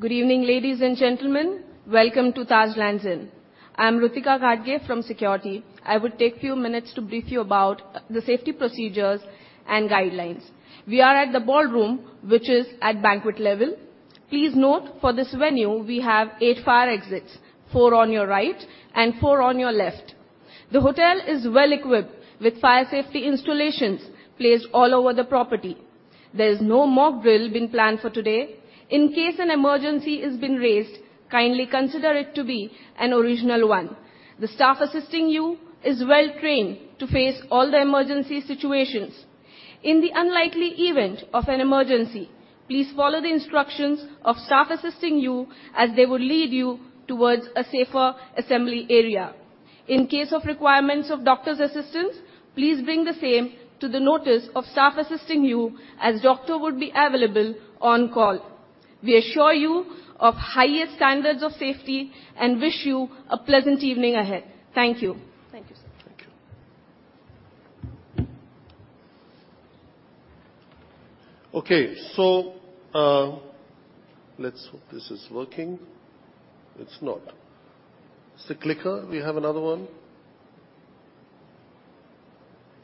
Good evening, ladies and gentlemen. Welcome to Taj Lands End. I'm Rutika Ghatge from Security. I will take few minutes to brief you about the safety procedures and guidelines. We are at the ballroom, which is at banquet level. Please note, for this venue we have eight fire exits, four on your right and four on your left. The hotel is well equipped with fire safety installations placed all over the property. There's no mock drill been planned for today. In case an emergency has been raised, kindly consider it to be an original one. The staff assisting you is well trained to face all the emergency situations. In the unlikely event of an emergency, please follow the instructions of staff assisting you as they will lead you towards a safer assembly area. In case of requirements of doctor's assistance, please bring the same to the notice of staff assisting you, as doctor would be available on call. We assure you of highest standards of safety and wish you a pleasant evening ahead. Thank you. Thank you, sir. Thank you. Okay. Let's hope this is working. It's not. It's the clicker. We have another one.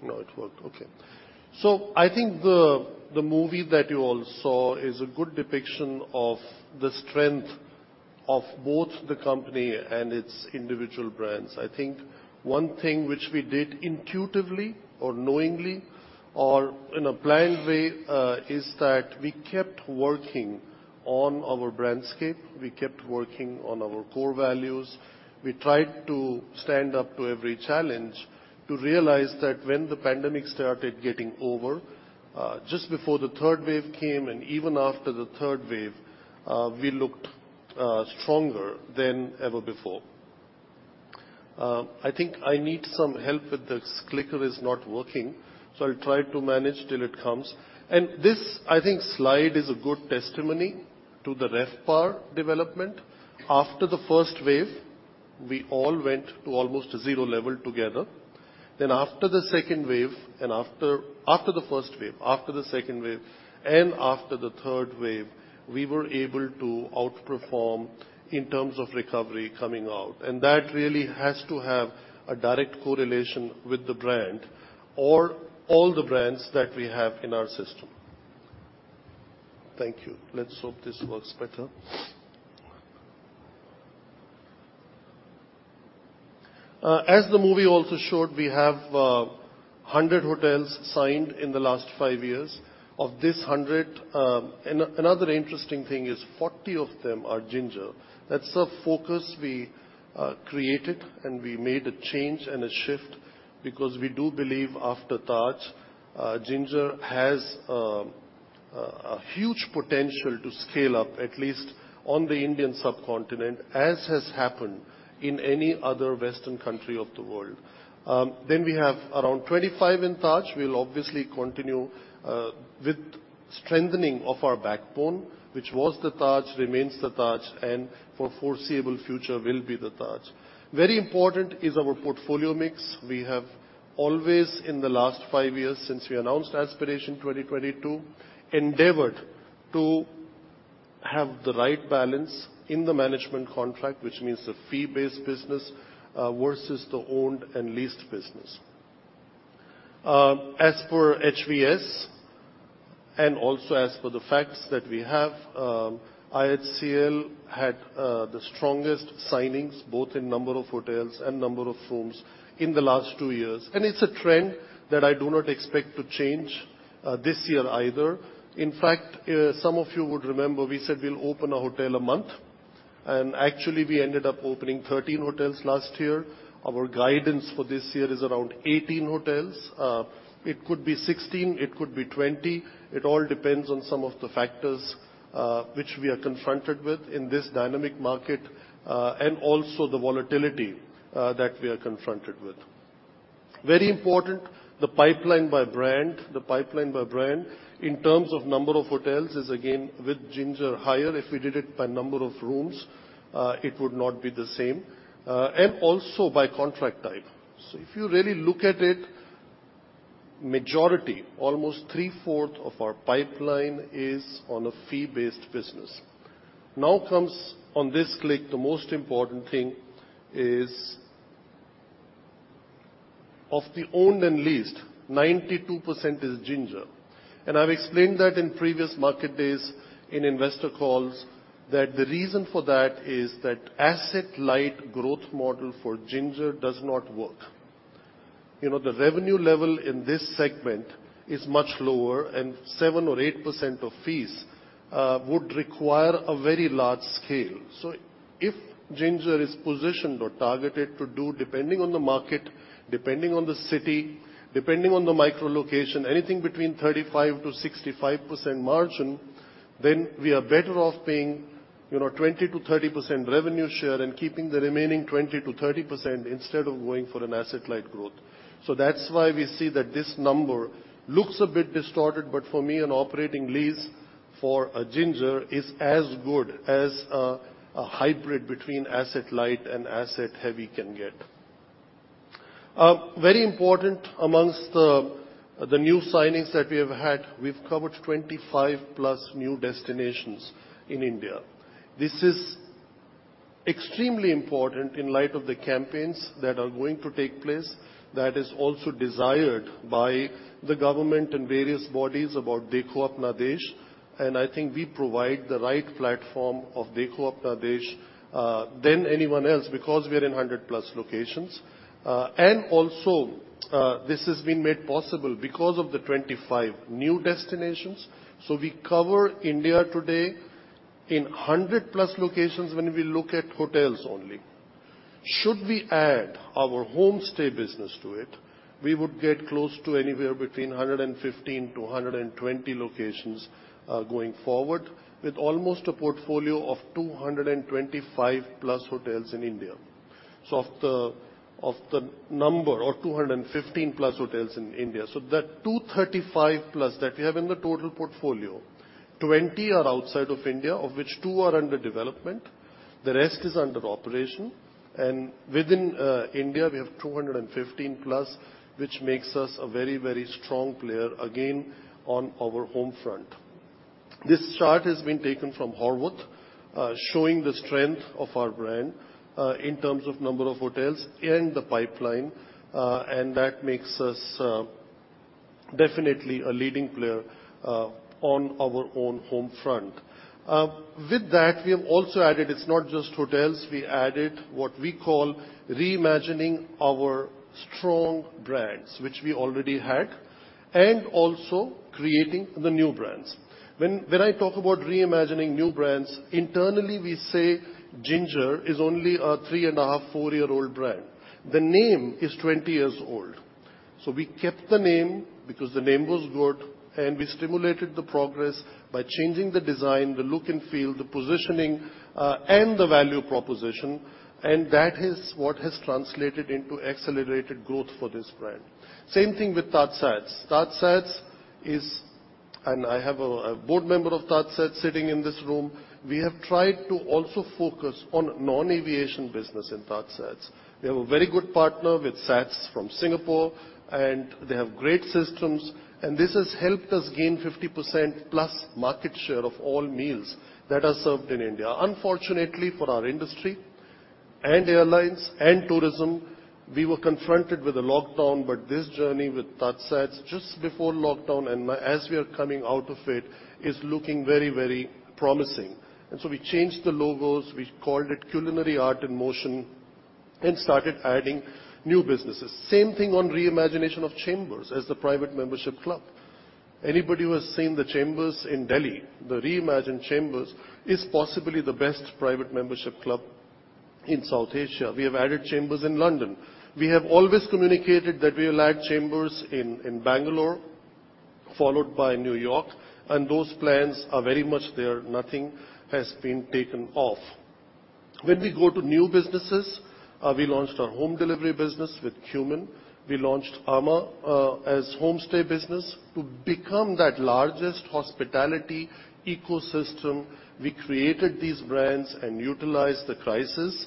No, it worked. Okay. The movie that you all saw is a good depiction of the strength of both the company and its individual brands. I think one thing which we did intuitively or knowingly or in a planned way is that we kept working on our brandscape, we kept working on our core values. We tried to stand up to every challenge to realize that when the pandemic started getting over just before the third wave came and even after the third wave we looked stronger than ever before. I need some help with this clicker is not working, so I'll try to manage till it comes. This slide is a good testimony to the RevPAR development. After the first wave, we all went to almost zero level together. After the first wave, after the second wave, and after the third wave, we were able to outperform in terms of recovery coming out. That really has to have a direct correlation with the brand or all the brands that we have in our system. Thank you. Let's hope this works better. As the movie also showed, we have 100 hotels signed in the last five years. Of this 100, another interesting thing is 40 of them are Ginger. That's a focus we created, and we made a change and a shift because we do believe after Taj, Ginger has a huge potential to scale up, at least on the Indian subcontinent, as has happened in any other Western country of the world. We have around 25 in Taj. We'll obviously continue with strengthening of our backbone, which was the Taj, remains the Taj, and for foreseeable future will be the Taj. Very important is our portfolio mix. We have always in the last five years since we announced Aspiration 2022, endeavored to have the right balance in the management contract, which means the fee-based business versus the owned and leased business. As for HVS and also as for the facts that we have, IHCL had the strongest signings both in number of hotels and number of rooms in the last two years. It's a trend that I do not expect to change this year either. In fact, some of you would remember we said we'll open a hotel a month, and actually we ended up opening 13 hotels last year. Our guidance for this year is around 18 hotels. It could be 16, it could be 20. It all depends on some of the factors which we are confronted with in this dynamic market, and also the volatility that we are confronted with. Very important, the pipeline by brand. The pipeline by brand in terms of number of hotels is again with Ginger higher. If we did it by number of rooms, it would not be the same, and also by contract type. So if you really look at it, majority, almost 3/4 of our pipeline is on a fee-based business. Now coming to this slide, the most important thing is of the owned and leased, 92% is Ginger. I've explained that in previous market days in investor calls that the reason for that is that asset-light growth model for Ginger does not work. The revenue level in this segment is much lower, and 7% or 8% of fees would require a very large scale. If Ginger is positioned or targeted to do, depending on the market, depending on the city, depending on the micro location, anything between 35% to 65% margin, then we are better off paying, 20% to 30% revenue share and keeping the remaining 20% to 30% instead of going for an asset-light growth. That's why we see that this number looks a bit distorted, but for me an operating lease for a Ginger is as good as a hybrid between asset light and asset heavy can get. Very important among the new signings that we have had, we've covered 25+ new destinations in India. This is extremely important in light of the campaigns that are going to take place that is also desired by the government and various bodies about Dekho Apna Desh, and I think we provide the right platform of Dekho Apna Desh than anyone else because we are in 100+ locations. This has been made possible because of the 25 new destinations. We cover India today in 100+ locations when we look at hotels only. Should we add our home stay business to it, we would get close to anywhere between 115 to 120 locations going forward, with almost a portfolio of 225+ hotels in India. Of the number of 215+ hotels in India. That 235+ that we have in the total portfolio, 20 are outside of India, of which two are under development, the rest is under operation. Within India, we have 215+, which makes us a very, very strong player again, on our home front. This chart has been taken from Horwath, showing the strength of our brand in terms of number of hotels in the pipeline, and that makes us definitely a leading player on our own home front. With that, we have also added. It's not just hotels. We added what we call reimagining our strong brands, which we already had, and also creating the new brands. When I talk about reimagining new brands, internally we say Ginger is only a three and a half to four-year-old brand. The name is 20 years old. We kept the name because the name was good, and we stimulated the progress by changing the design, the look and feel, the positioning, and the value proposition, and that is what has translated into accelerated growth for this brand. Same thing with TajSATS. TajSATS is. I have a board member of TajSATS sitting in this room. We have tried to also focus on non-aviation business in TajSATS. We have a very good partner with SATS from Singapore, and they have great systems, and this has helped us gain 50% plus market share of all meals that are served in India. Unfortunately for our industry and airlines and tourism, we were confronted with a lockdown, but this journey with TajSATS just before lockdown and as we are coming out of it, is looking very, very promising. We changed the logos. We called it Culinary Art in Motion and started adding new businesses. Same thing on reimagination of Chambers as the private membership club. Anybody who has seen the Chambers in Delhi, the reimagined Chambers is possibly the best private membership club in South Asia. We have added Chambers in London. We have always communicated that we'll add Chambers in Bangalore, followed by New York, and those plans are very much there. Nothing has been taken off. When we go to new businesses, we launched our home delivery business with Qmin. We launched amã as homestay business. To become that largest hospitality ecosystem, we created these brands and utilized the crisis,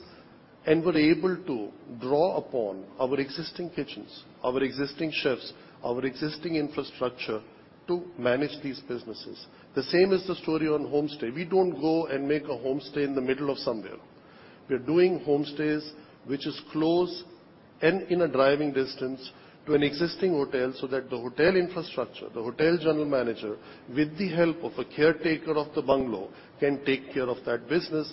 and were able to draw upon our existing kitchens, our existing chefs, our existing infrastructure to manage these businesses. The same is the story on homestay. We don't go and make a homestay in the middle of somewhere. We are doing homestays, which is close and in a driving distance to an existing hotel, so that the hotel infrastructure, the hotel general manager, with the help of a caretaker of the bungalow, can take care of that business.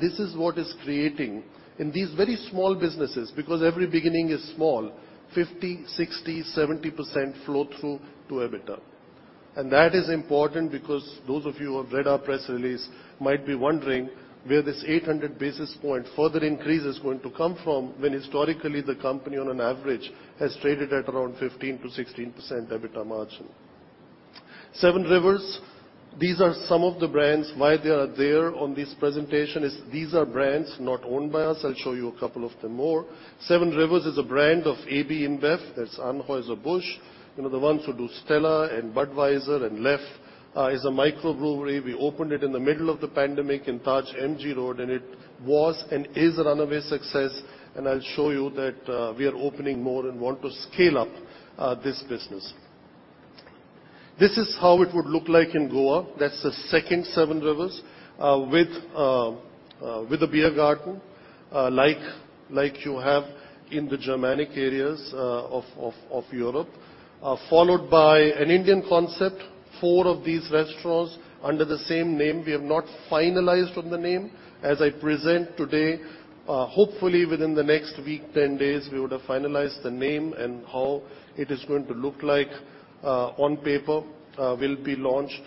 This is what is creating in these very small businesses, because every beginning is small, 50%, 60%, 70% flow through to EBITDA. That is important because those of you who have read our press release might be wondering where this 800 basis point further increase is going to come from when historically the company on an average has traded at around 15%-16% EBITDA margin. Seven Rivers. These are some of the brands. Why they are there on this presentation is these are brands not owned by us. I'll show you a couple of them more. Seven Rivers is a brand of AB InBev. That's Anheuser-Busch InBev. The ones who do Stella and Budweiser and Leffe, is a microbrewery. We opened it in the middle of the pandemic in Taj MG Road, and it was and is a runaway success, and I'll show you that, we are opening more and want to scale up, this business. This is how it would look like in Goa. That's the second Seven Rivers, with a beer garden, like you have in the Germanic areas, of Europe. Followed by an Indian concept, four of these restaurants under the same name. We have not finalized on the name. As I present today, hopefully within the next week, 10 days, we would have finalized the name and how it is going to look like, on paper. Will be launched,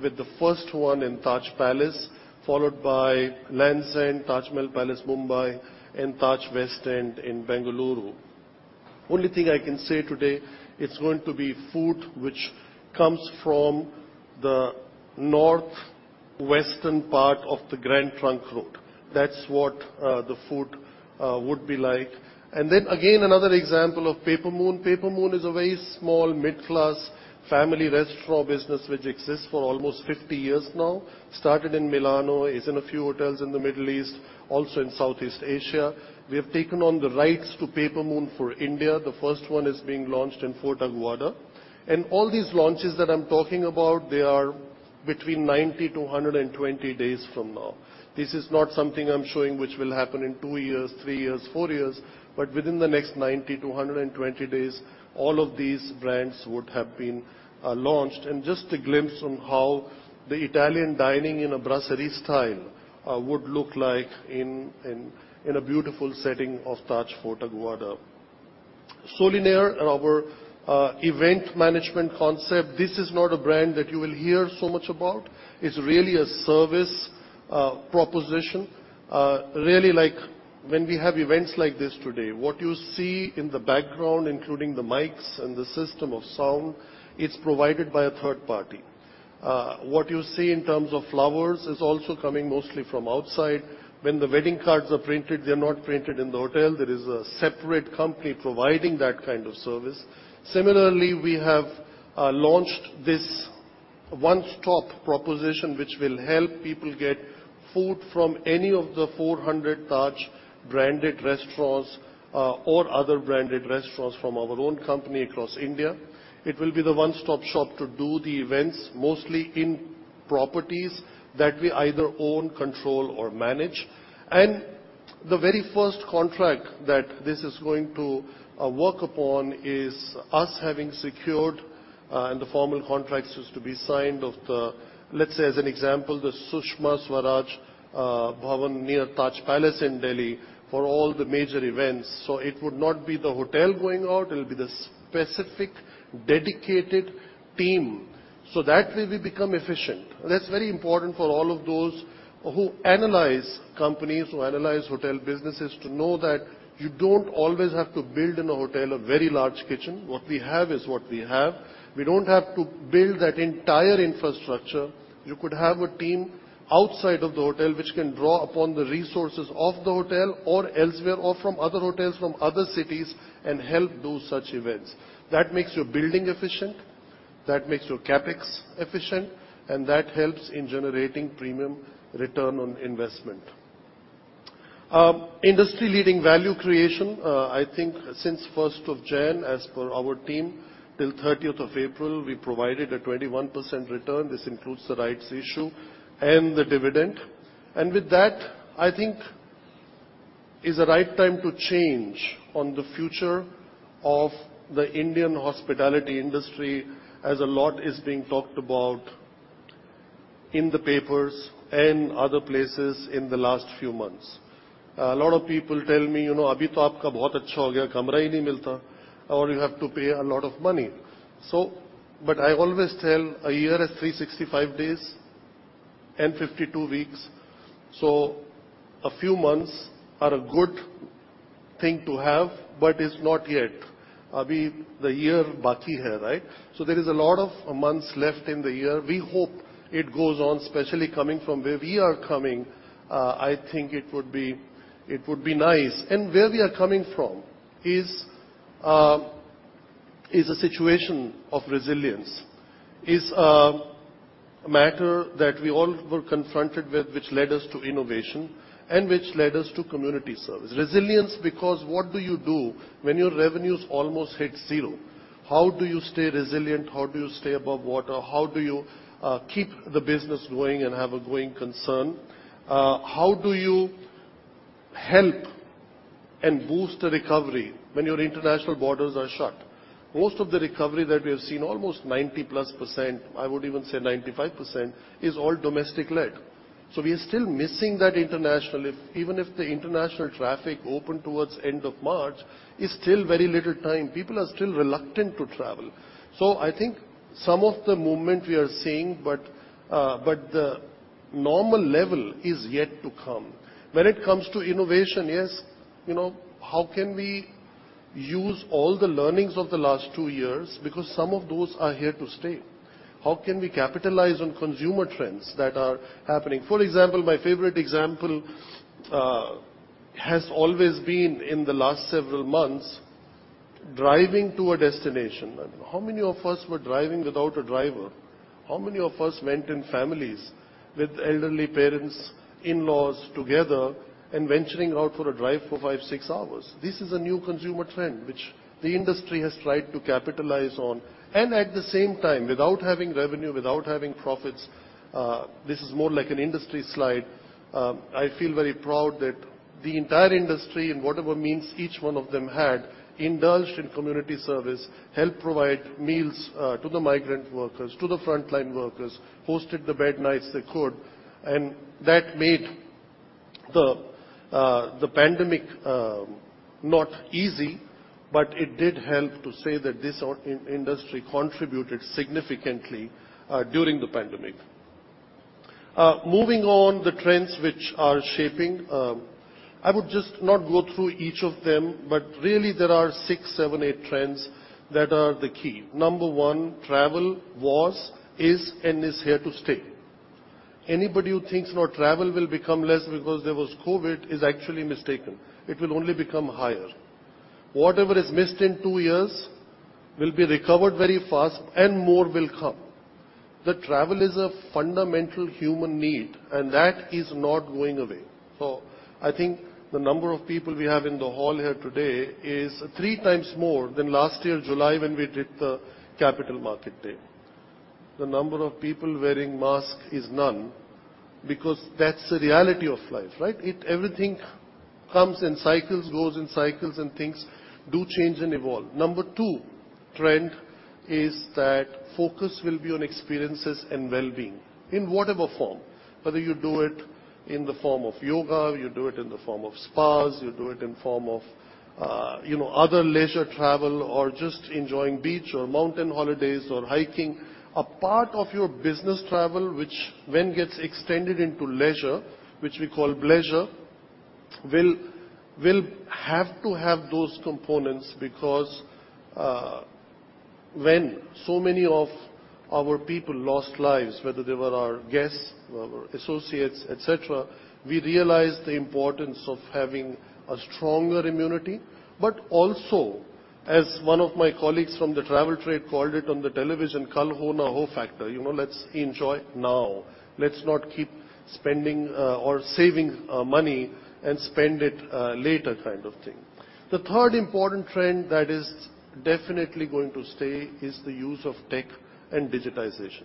with the first one in Taj Palace, followed by Taj Lands End, Taj Mahal Palace, Mumbai and Taj West End in Bengaluru. Only thing I can say today, it's going to be food which comes from the northwestern part of the Grand Trunk Road. That's what the food would be like. Another example of Paper Moon. Paper Moon is a very small, mid-class family restaurant business which exists for almost 50 years now, started in Milano, is in a few hotels in the Middle East, also in Southeast Asia. We have taken on the rights to Paper Moon for India. The first one is being launched in Fort Aguada. All these launches that I'm talking about, they are between 90-120 days from now. This is not something I'm showing which will happen in two years, three years, four years, but within the next 90-120 days, all of these brands would have been launched. Just a glimpse on how the Italian dining in a brasserie style would look like in a beautiful setting of Taj Fort Aguada. Soulinaire, our event management concept. This is not a brand that you will hear so much about. It's really a service proposition. Really like when we have events like this today, what you see in the background, including the mics and the sound system, it's provided by a third party. What you see in terms of flowers is also coming mostly from outside. When the wedding cards are printed, they're not printed in the hotel. There is a separate company providing that kind of service. Similarly, we have launched this one-stop proposition, which will help people get food from any of the 400 Taj branded restaurants or other branded restaurants from our own company across India. It will be the one-stop shop to do the events, mostly in properties that we either own, control, or manage. The very first contract that this is going to work upon is us having secured, and the formal contracts is to be signed of the, let's say as an example, the Sushma Swaraj Bhavan near Taj Palace in Delhi for all the major events. It would not be the hotel going out, it'll be the specific dedicated team. That way we become efficient. That's very important for all of those who analyze companies, who analyze hotel businesses to know that you don't always have to build in a hotel a very large kitchen. What we have is what we have. We don't have to build that entire infrastructure. You could have a team outside of the hotel which can draw upon the resources of the hotel or elsewhere, or from other hotels from other cities and help do such events. That makes your building efficient, that makes your CapEx efficient, and that helps in generating premium return on investment. Industry-leading value creation. I think since first of January, as per our team, till 13th April, we provided a 21% return. This includes the rights issue and the dividend. With that, I think is the right time to chime in on the future of the Indian hospitality industry, as a lot is being talked about in the papers and other places in the last few months. A lot of people tell me, you know, "Oh, you have to pay a lot of money." But I always tell a year is 365 days and 52 weeks, so a few months are a good thing to have, but it's not yet. Abhi the year baki hai, right. There is a lot of months left in the year. We hope it goes on, especially coming from where we are coming. I think it would be nice. Where we are coming from is a situation of resilience. It is a matter that we all were confronted with, which led us to innovation and which led us to community service. Resilience because what do you do when your revenues almost hit zero? How do you stay resilient? How do you stay above water? How do you keep the business going and have a growing concern? How do you help and boost the recovery when your international borders are shut? Most of the recovery that we have seen, almost 90+%, I would even say 95%, is all domestic-led. We are still missing that international. Even if the international traffic opened towards end of March, is still very little time. People are still reluctant to travel. I think some of the movement we are seeing, but the normal level is yet to come. When it comes to innovation, yes, you know, how can we use all the learnings of the last two years because some of those are here to stay. How can we capitalize on consumer trends that are happening? For example, my favorite example has always been in the last several months, driving to a destination. How many of us were driving without a driver? How many of us went in families with elderly parents, in-laws together and venturing out for a drive for five, six hours? This is a new consumer trend which the industry has tried to capitalize on. At the same time, without having revenue, without having profits, this is more like an industry slide. I feel very proud that the entire industry, in whatever means each one of them had, indulged in community service, helped provide meals, to the migrant workers, to the frontline workers, hosted the bed nights they could, and that made the pandemic, not easy, but it did help to say that this in-industry contributed significantly, during the pandemic. Moving on, the trends which are shaping, I would just not go through each of them, but really there are six, seven, eight trends that are the key. Number one, travel was, is, and is here to stay. Anybody who thinks now travel will become less because there was COVID is actually mistaken. It will only become higher. Whatever is missed in two years will be recovered very fast and more will come. The travel is a fundamental human need, and that is not going away. I think the number of people we have in the hall here today is three times more than last year, July, when we did the capital market day. The number of people wearing mask is none because that's the reality of life, right? Everything comes in cycles, goes in cycles, and things do change and evolve. Number two trend is that focus will be on experiences and well-being in whatever form, whether you do it in the form of yoga, you do it in the form of spas, you do it in form of other leisure travel or just enjoying beach or mountain holidays or hiking. A part of your business travel, which when gets extended into leisure, which we call bleisure, will have to have those components because when so many of our people lost lives, whether they were our guests, whether associates, et cetera, we realized the importance of having a stronger immunity. Also, as one of my colleagues from the travel trade called it on the television, "Kal ho na ho" factor. You know, let's enjoy now. Let's not keep spending or saving money and spend it later kind of thing. The third important trend that is definitely going to stay is the use of tech and digitization.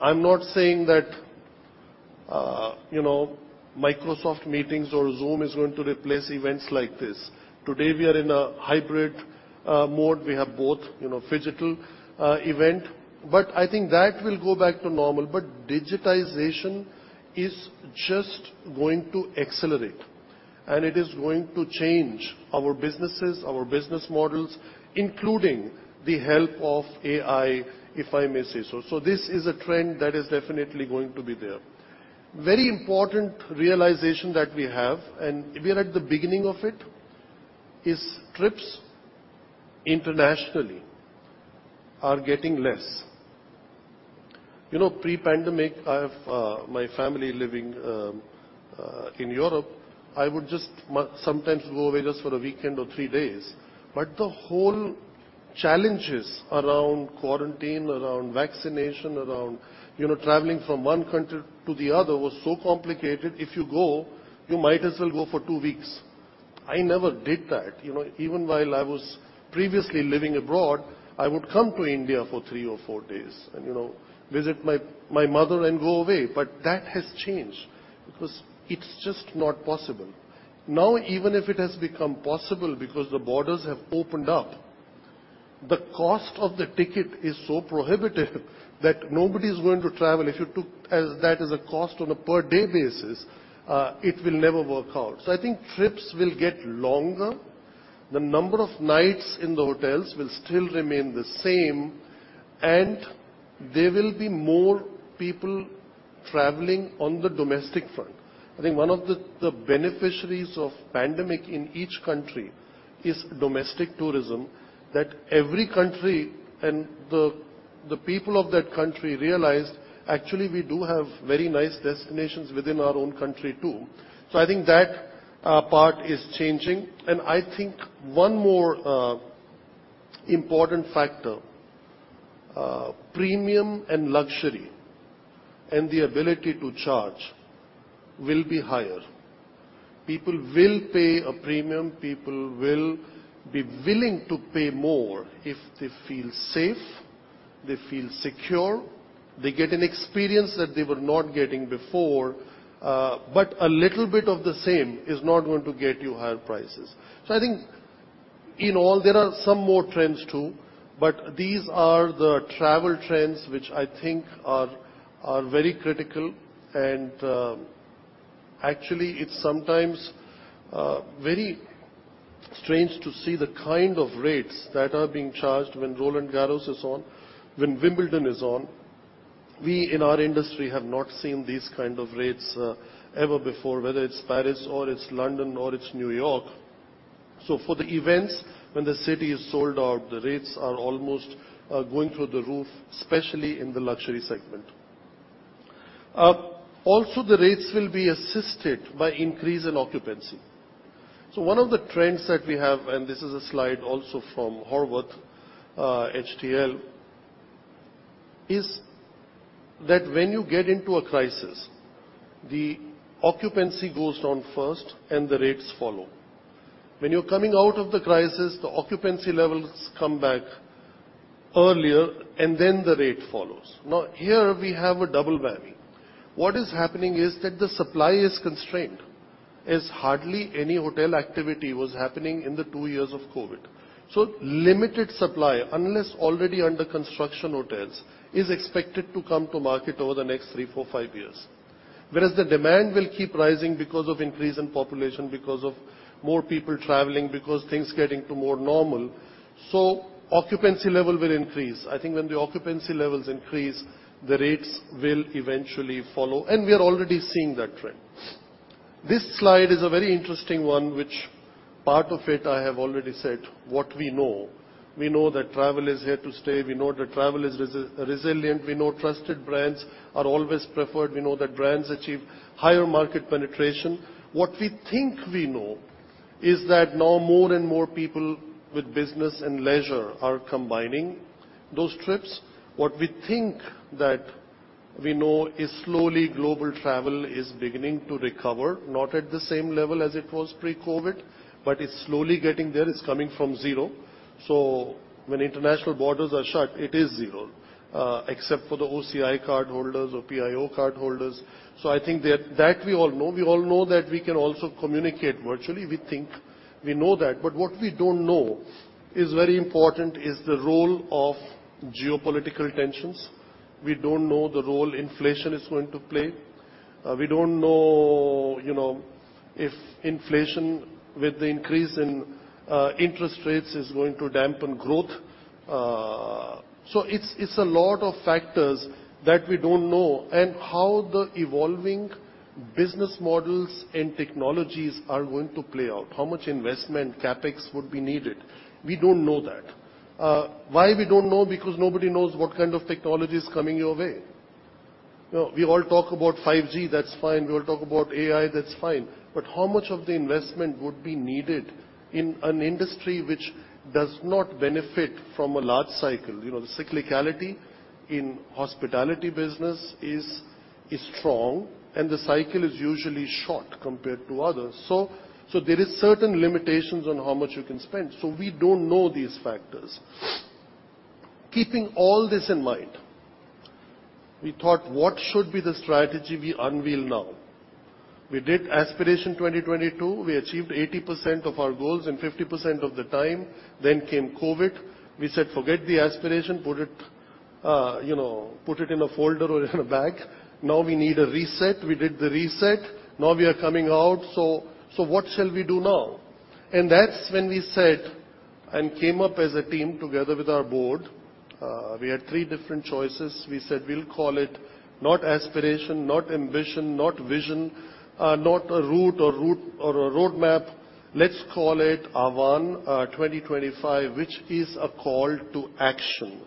I'm not saying that, you know, Microsoft Teams or Zoom is going to replace events like this. Today, we are in a hybrid mode. We have both, you know, phygital event, but I think that will go back to normal. Digitization is just going to accelerate, and it is going to change our businesses, our business models, with the help of AI, if I may say so. This is a trend that is definitely going to be there. Very important realization that we have, and we are at the beginning of it, is trips internationally are getting less. You know, pre-pandemic, I have my family living in Europe. I would just sometimes go away just for a weekend or three days. The whole challenges around quarantine, around vaccination, around, you know, traveling from one country to the other was so complicated. If you go, you might as well go for two weeks. I never did that. Even while I was previously living abroad, I would come to India for three or four days and, you know, visit my mother and go away. That has changed because it's just not possible. Now, even if it has become possible because the borders have opened up, the cost of the ticket is so prohibitive that nobody's going to travel. If you took that as a cost on a per-day basis, it will never work out. I think trips will get longer. The number of nights in the hotels will still remain the same, and there will be more people traveling on the domestic front. I think one of the beneficiaries of pandemic in each country is domestic tourism, that every country and the people of that country realized, actually, we do have very nice destinations within our own country too. I think that part is changing. I think one more important factor, premium and luxury and the ability to charge will be higher. People will pay a premium. People will be willing to pay more if they feel safe, they feel secure, they get an experience that they were not getting before. A little bit of the same is not going to get you higher prices. I think in all, there are some more trends too, but these are the travel trends which I think are very critical. Actually, it's sometimes very strange to see the kind of rates that are being charged when Roland Garros is on, when Wimbledon is on. We, in our industry, have not seen these kind of rates ever before, whether it's Paris or it's London or it's New York. For the events when the city is sold out, the rates are almost going through the roof, especially in the luxury segment. Also the rates will be assisted by increase in occupancy. One of the trends that we have, and this is a slide also from Horwath HTL, is that when you get into a crisis, the occupancy goes down first and the rates follow. When you're coming out of the crisis, the occupancy levels come back earlier and then the rate follows. Now, here we have a double whammy. What is happening is that the supply is constrained as hardly any hotel activity was happening in the two years of COVID. Limited supply, unless already under construction hotels, is expected to come to market over the next three, four, five years. Whereas the demand will keep rising because of increase in population, because of more people traveling, because things getting to more normal. Occupancy level will increase. I think when the occupancy levels increase, the rates will eventually follow, and we are already seeing that trend. This slide is a very interesting one which part of it I have already said what we know. We know that travel is here to stay. We know that travel is resilient. We know trusted brands are always preferred. We know that brands achieve higher market penetration. What we think we know is that now more and more people with business and leisure are combining those trips. What we think that we know is slowly global travel is beginning to recover, not at the same level as it was pre-COVID, but it's slowly getting there. It's coming from zero. When international borders are shut, it is zero, except for the OCI cardholders or PIO cardholders. I think that we all know. We all know that we can also communicate virtually. We think we know that. What we don't know is very important, the role of geopolitical tensions. We don't know the role inflation is going to play. We don't know, if inflation with the increase in interest rates is going to dampen growth. It's a lot of factors that we don't know, and how the evolving business models and technologies are going to play out, how much investment CapEx would be needed. We don't know that. Why we don't know? Because nobody knows what kind of technology is coming your way. We all talk about 5G, that's fine. We all talk about AI, that's fine. How much of the investment would be needed in an industry which does not benefit from a large cycle? You know, the cyclicality in hospitality business is strong, and the cycle is usually short compared to others. There is certain limitations on how much you can spend. We don't know these factors. Keeping all this in mind, we thought, what should be the strategy we unveil now? We did Aspiration 2022. We achieved 80% of our goals in 50% of the time. COVID came. We said, "Forget the aspiration. Put it, you know, in a folder or in a bag." Now we need a reset. We did the reset. Now we are coming out, what shall we do now? That's when we said, and came up as a team together with our board, we had three different choices. We said, "We'll call it not aspiration, not ambition, not vision, not a route or a roadmap. Let's call it Ahvaan 2025, which is a call to action."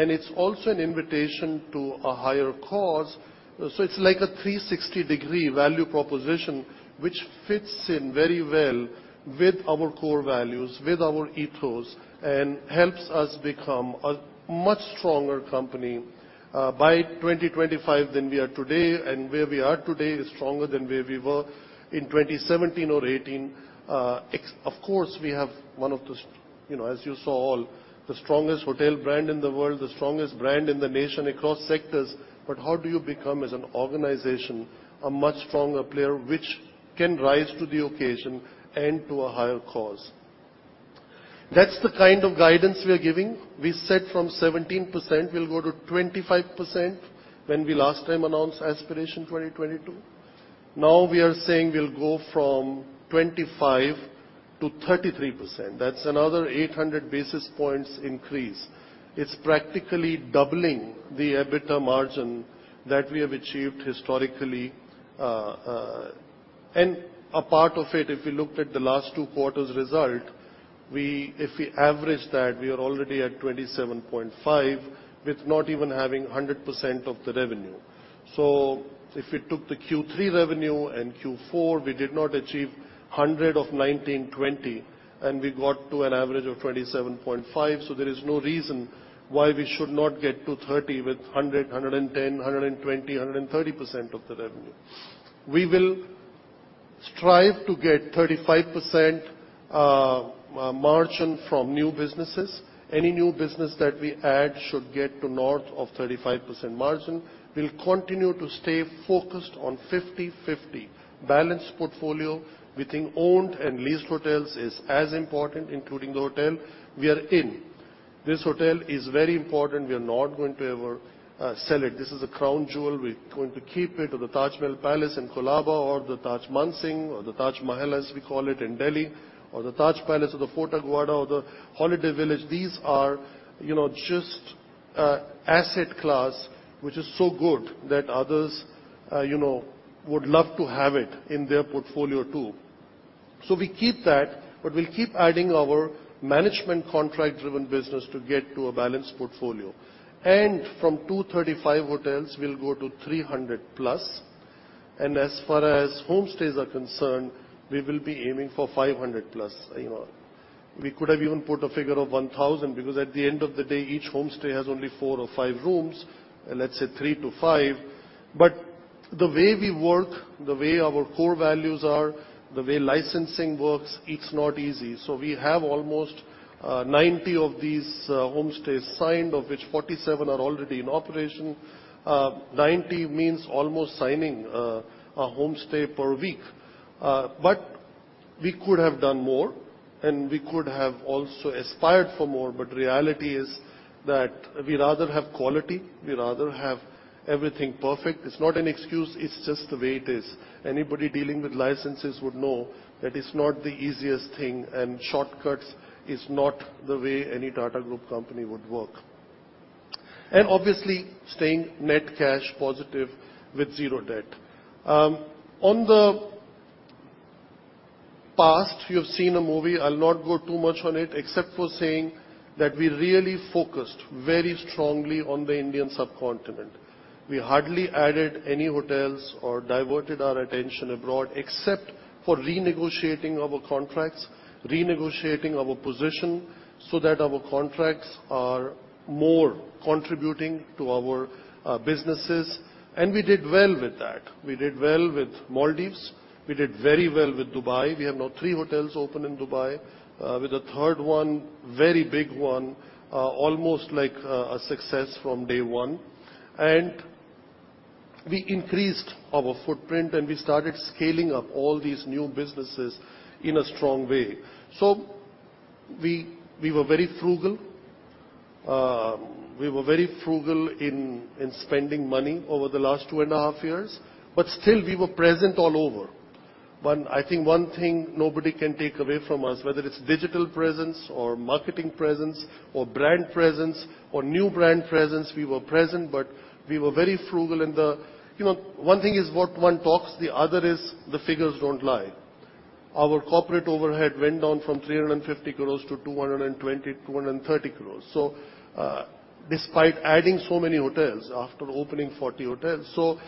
It's also an invitation to a higher cause. It's like a 360-degree value proposition which fits in very well with our core values, with our ethos, and helps us become a much stronger company, by 2025 than we are today. Where we are today is stronger than where we were in 2017 or 2018. Of course, we have one of the strongest hotel brand in the world, the strongest brand in the nation across sectors, but how do you become, as an organization, a much stronger player which can rise to the occasion and to a higher cause? That's the kind of guidance we are giving. We said from 17% we'll go to 25% when we last time announced Aspiration 2022. Now we are saying we'll go from 25% to 33%. That's another 800 basis points increase. It's practically doubling the EBITDA margin that we have achieved historically. And a part of it, if you looked at the last two quarters result, if we average that, we are already at 27.5% with not even having 100% of the revenue. If we took the Q3 revenue and Q4, we did not achieve 100% of 2019 to 2020, and we got to an average of 27.5, so there is no reason why we should not get to 30 with 100, 110, 120, 130% of the revenue. We will strive to get 35% margin from new businesses. Any new business that we add should get to north of 35% margin. We'll continue to stay focused on 50/50 balanced portfolio between owned and leased hotels is as important, including the hotel we are in. This hotel is very important. We are not going to ever sell it. This is a crown jewel. We're going to keep it. The Taj Mahal Palace in Colaba, or the Taj Mansingh or the Taj Mahal, as we call it, in Delhi, or the Taj Palace or the Fort Aguada or the Holiday Village, these are, you know, just an asset class which is so good that others, you know, would love to have it in their portfolio too. We keep that, but we'll keep adding our management contract-driven business to get to a balanced portfolio. From 235 hotels, we'll go to 300+. As far as homestays are concerned, we will be aiming for 500+, you know. We could have even put a figure of 1,000, because at the end of the day, each homestay has only four or five rooms, let's say three to five. The way we work, the way our core values are, the way licensing works, it's not easy. We have almost 90 of these homestays signed, of which 47 are already in operation. 90 means almost signing a homestay per week. We could have done more, and we could have also aspired for more, but reality is that we rather have quality, we rather have everything perfect. It's not an excuse, it's just the way it is. Anybody dealing with licenses would know that it's not the easiest thing, and shortcuts is not the way any Tata Group company would work. Obviously, staying net cash positive with zero debt. In the past, you've seen a movie. I'll not go too much on it, except for saying that we really focused very strongly on the Indian subcontinent. We hardly added any hotels or diverted our attention abroad, except for renegotiating our contracts, renegotiating our position so that our contracts are more contributing to our businesses. We did well with that. We did well with Maldives. We did very well with Dubai. We have now three hotels open in Dubai, with a third one, very big one, almost like a success from day one. We increased our footprint, and we started scaling up all these new businesses in a strong way. We were very frugal. We were very frugal in spending money over the last two and a half years, but still we were present all over. I think one thing nobody can take away from us, whether it's digital presence or marketing presence or brand presence or new brand presence, we were present, but we were very frugal in the. You know, one thing is what one talks, the other is the figures don't lie. Our corporate overhead went down from 350 crores to 220-230 crores. Despite adding so many hotels after opening 40 hotels.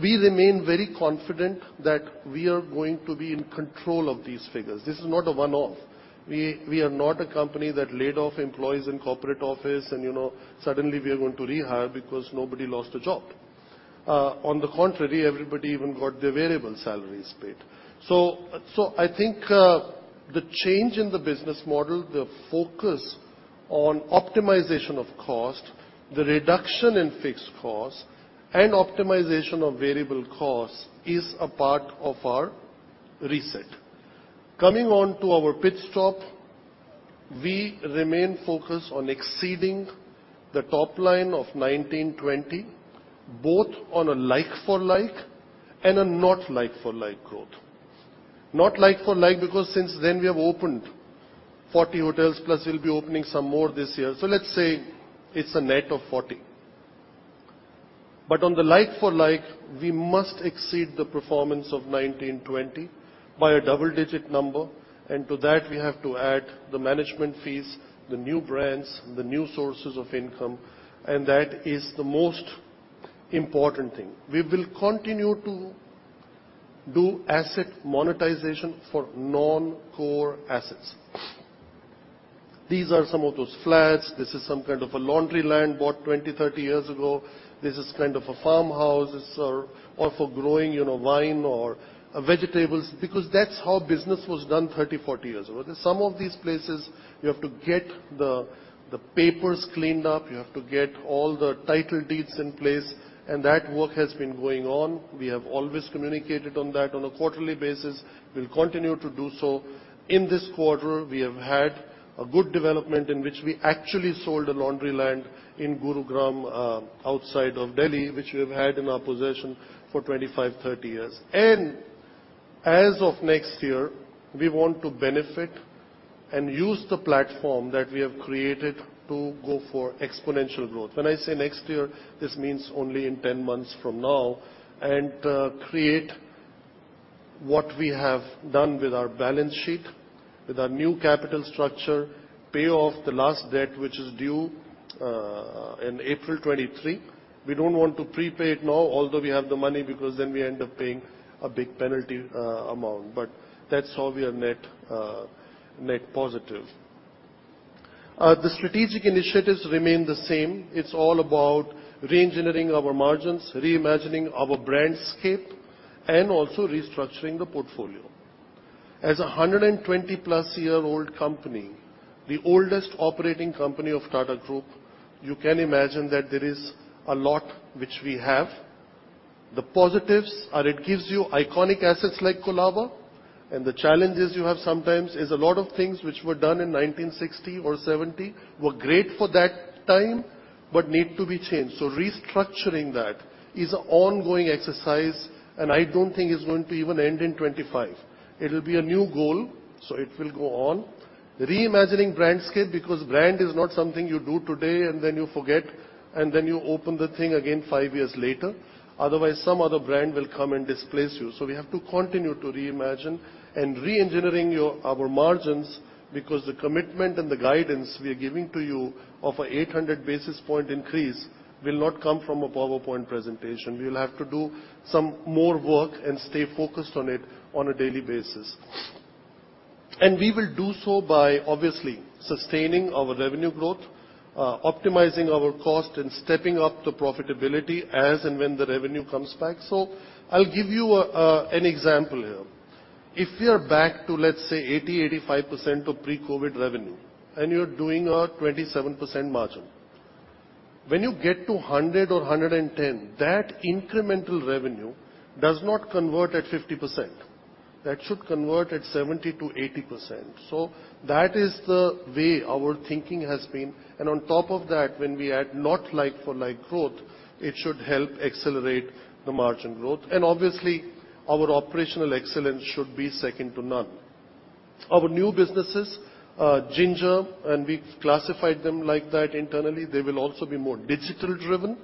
We remain very confident that we are going to be in control of these figures. This is not a one-off. We are not a company that laid off employees in corporate office and, you know, suddenly we are going to rehire because nobody lost a job. On the contrary, everybody even got their variable salaries paid. I think the change in the business model, the focus on optimization of cost, the reduction in fixed costs, and optimization of variable costs is a part of our reset. Coming on to our pit stop, we remain focused on exceeding the top line of 2019, 2020, both on a like-for-like and a not like-for-like growth. Not like-for-like because since then we have opened 40 hotels, plus we'll be opening some more this year. Let's say it's a net of 40. On the like-for-like, we must exceed the performance of 2019, 2020 by a double-digit number, and to that, we have to add the management fees, the new brands, the new sources of income, and that is the most important thing. We will continue to do asset monetization for non-core assets. These are some of those flats. This is some kind of a land bought 20 to 30 years ago. This is kind of a farmhouse or for growing, you know, wine or vegetables, because that's how business was done 30 to 40 years ago. Some of these places, you have to get the papers cleaned up. You have to get all the title deeds in place, and that work has been going on. We have always communicated on that on a quarterly basis. We'll continue to do so. In this quarter, we have had a good development in which we actually sold a land in Gurugram outside of Delhi, which we have had in our possession for 25 to 30 years. As of next year, we want to benefit and use the platform that we have created to go for exponential growth. When I say next year, this means only in 10 months from now and given what we have done with our balance sheet, with our new capital structure, pay off the last debt, which is due in April 2023. We don't want to prepay it now, although we have the money, because then we end up paying a big penalty amount. That's how we are net net positive. The strategic initiatives remain the same. It's all about reengineering our margins, reimagining our brandscape, and also restructuring the portfolio. As a 120+-year-old company, the oldest operating company of Tata Group, you can imagine that there is a lot which we have. The positives are it gives you iconic assets like Colaba, and the challenges you have sometimes is a lot of things which were done in 1960 or 1970 were great for that time, but need to be changed. Restructuring that is an ongoing exercise, and I don't think it's going to even end in 2025. It'll be a new goal, so it will go on. Reimagining brandscape, because brand is not something you do today and then you forget, and then you open the thing again five years later. Otherwise, some other brand will come and displace you. We have to continue to reimagine and reengineering our margins because the commitment and the guidance we are giving to you of a 800 basis point increase will not come from a PowerPoint presentation. We will have to do some more work and stay focused on it on a daily basis. We will do so by, obviously, sustaining our revenue growth, optimizing our cost, and stepping up the profitability as and when the revenue comes back. I'll give you an example here. If we are back to, let's say, 80% to 85% of pre-COVID revenue and you're doing a 27% margin, when you get to 100% or 110%, that incremental revenue does not convert at 50%. That should convert at 70% to 80%. That is the way our thinking has been. On top of that, when we add not like for like growth, it should help accelerate the margin growth. Obviously, our operational excellence should be second to none. Our new businesses, Ginger, and we've classified them like that internally, they will also be more digital-driven.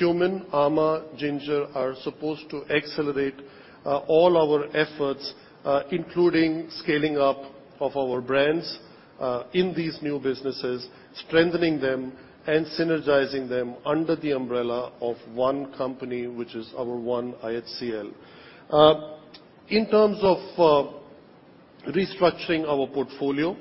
Qmin, amã, Ginger are supposed to accelerate all our efforts, including scaling up of our brands in these new businesses, strengthening them, and synergizing them under the umbrella of one company, which is our one IHCL. In terms of restructuring our portfolio,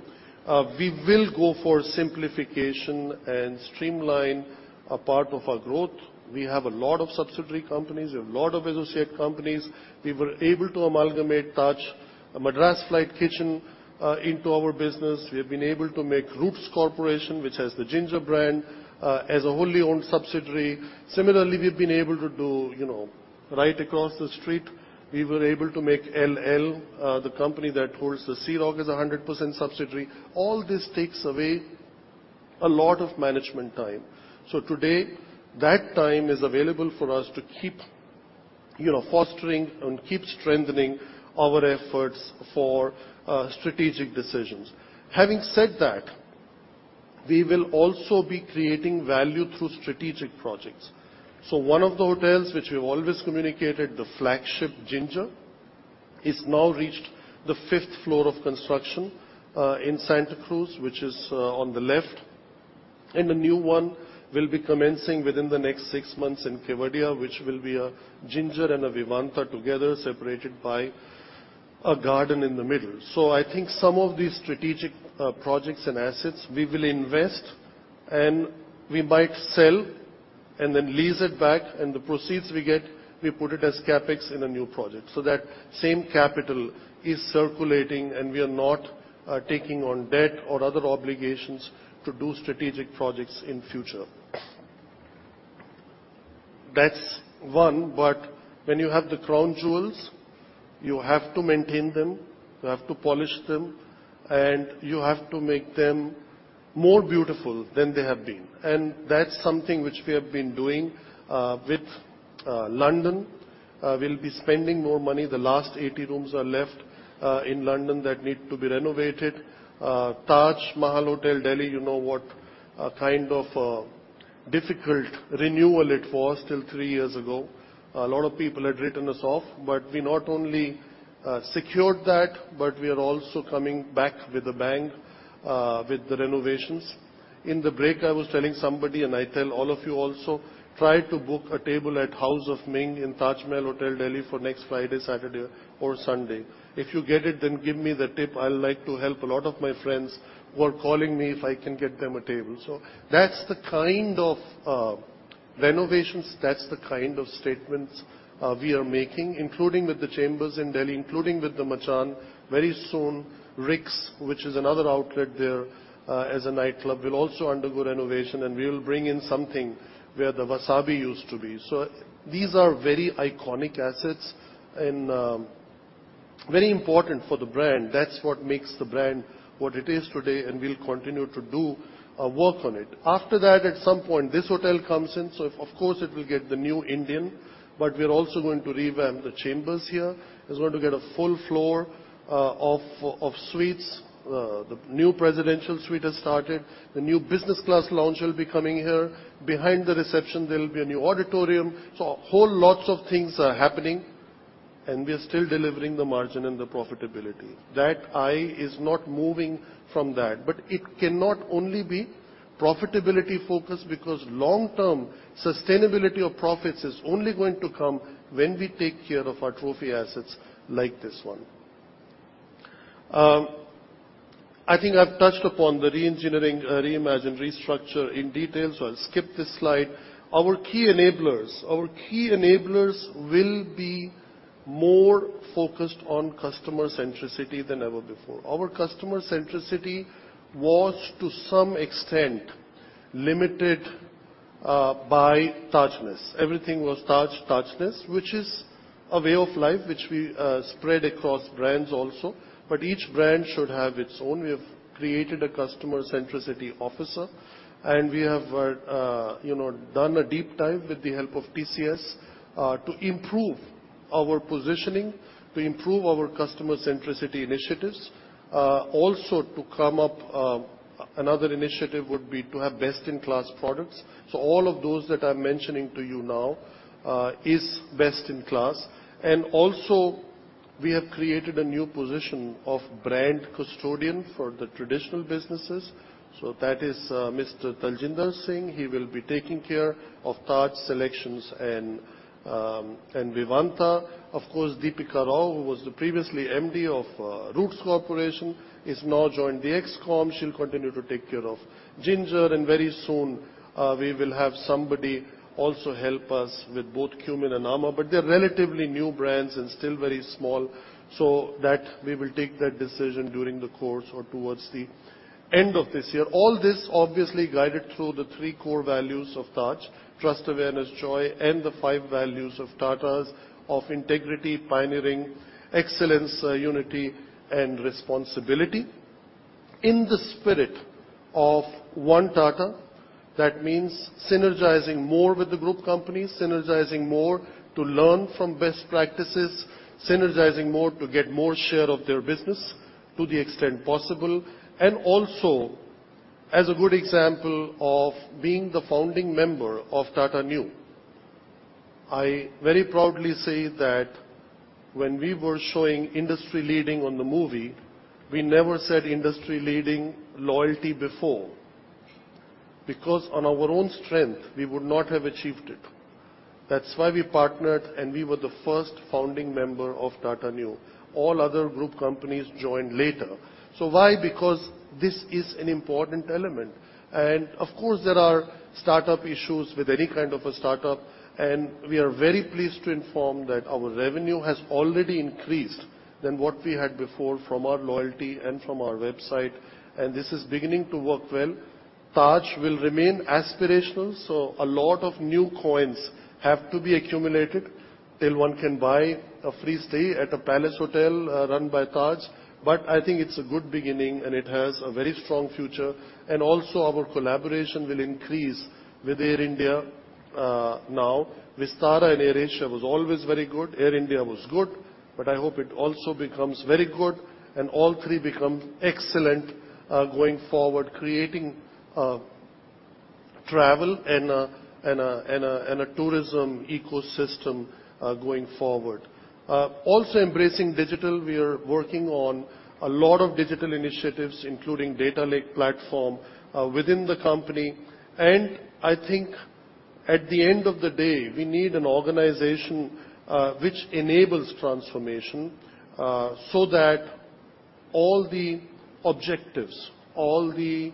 we will go for simplification and streamline a part of our growth. We have a lot of subsidiary companies, we have a lot of associate companies. We were able to amalgamate Taj Madras Flight Kitchen into our business. We have been able to make Roots Corporation, which has the Ginger brand, as a wholly-owned subsidiary. Similarly, we've been able to do, you know, right across the street, we were able to make ELEL, the company that holds the Sea Rock, as a 100% subsidiary. All this takes away a lot of management time. Today, that time is available for us to keep, you know, fostering and keep strengthening our efforts for strategic decisions. Having said that, we will also be creating value through strategic projects. One of the hotels which we've always communicated, the flagship Ginger, is now reached the fifth floor of construction in Santa Cruz, which is on the left. A new one will be commencing within the next six months in Kevadia, which will be a Ginger and a Vivanta together, separated by a garden in the middle. I think some of these strategic projects and assets, we will invest and we might sell and then lease it back. The proceeds we get, we put it as CapEx in a new project. That same capital is circulating, and we are not taking on debt or other obligations to do strategic projects in future. That's one. When you have the crown jewels, you have to maintain them, you have to polish them, and you have to make them more beautiful than they have been. That's something which we have been doing with London. We'll be spending more money. The last 80 rooms are left in London that need to be renovated. Taj Mahal Hotel, New Delhi, you know what kind of a difficult renewal it was till three years ago. A lot of people had written us off, but we not only secured that, but we are also coming back with a bang with the renovations. In the break I was telling somebody, and I tell all of you also, try to book a table at House of Ming in Taj Mahal, New Delhi for next Friday, Saturday or Sunday. If you get it, then give me the tip. I like to help. A lot of my friends were calling me if I can get them a table. That's the kind of renovations, that's the kind of statements we are making, including with The Chambers in Delhi, including with the Machan. Very soon Rick's, which is another outlet there, as a nightclub, will also undergo renovation, and we will bring in something where the Wasabi used to be. These are very iconic assets and very important for the brand. That's what makes the brand what it is today, and we'll continue to do work on it. After that, at some point, this hotel comes in, so of course it will get the new identity, but we're also going to revamp The Chambers here. It's going to get a full floor of suites. The new presidential suite has started. The new business class lounge will be coming here. Behind the reception there will be a new auditorium. Whole lots of things are happening, and we are still delivering the margin and the profitability. My eye is not moving from that. It cannot only be profitability focused, because long-term, sustainability of profits is only going to come when we take care of our trophy assets like this one. I think I've touched upon the re-engineering, reimagine, restructure in detail, so I'll skip this slide. Our key enablers. Our key enablers will be more focused on customer centricity than ever before. Our customer centricity was, to some extent, limited by Tajness. Everything was Taj, Tajness, which is a way of life which we spread across brands also. Each brand should have its own. We have created a customer centricity officer, and we have done a deep dive with the help of TCS to improve our positioning, to improve our customer centricity initiatives. Also to come up, another initiative would be to have best-in-class products. All of those that I'm mentioning to you now is best in class. We have created a new position of brand custodian for the traditional businesses. That is, Mr. Tajinder Singh. He will be taking care of SeleQtions and Vivanta. Of course, Deepika Rao, who was the previous MD of Roots Corporation, has now joined the ExCom. She'll continue to take care of Ginger. Very soon, we will have somebody also help us with both Qmin and amã. They're relatively new brands and still very small, so that we will take that decision during the course or towards the end of this year. All this obviously guided through the three core values of Taj: trust, awareness, joy. The five values of Tata: integrity, pioneering, excellence, unity, and responsibility. In the spirit of One Tata, that means synergizing more with the group companies, synergizing more to learn from best practices, synergizing more to get more share of their business to the extent possible, and also as a good example of being the founding member of Tata Neu. I very proudly say that when we were showing industry-leading on the movie, we never said industry-leading loyalty before, because on our own strength, we would not have achieved it. That's why we partnered, and we were the first founding member of Tata Neu. All other group companies joined later. Why? Because this is an important element. Of course, there are startup issues with any kind of a startup, and we are very pleased to inform that our revenue has already increased than what we had before from our loyalty and from our website, and this is beginning to work well. Taj will remain aspirational, so a lot of new coins have to be accumulated till one can buy a free stay at a Palace Hotel, run by Taj. I think it's a good beginning, and it has a very strong future. Also our collaboration will increase with Air India, now. Vistara and AirAsia was always very good. Air India was good, but I hope it also becomes very good, and all three become excellent, going forward, creating travel and a tourism ecosystem, going forward. Also embracing digital. We are working on a lot of digital initiatives, including data lake platform, within the company. I think at the end of the day, we need an organization, which enables transformation, so that all the objectives, all the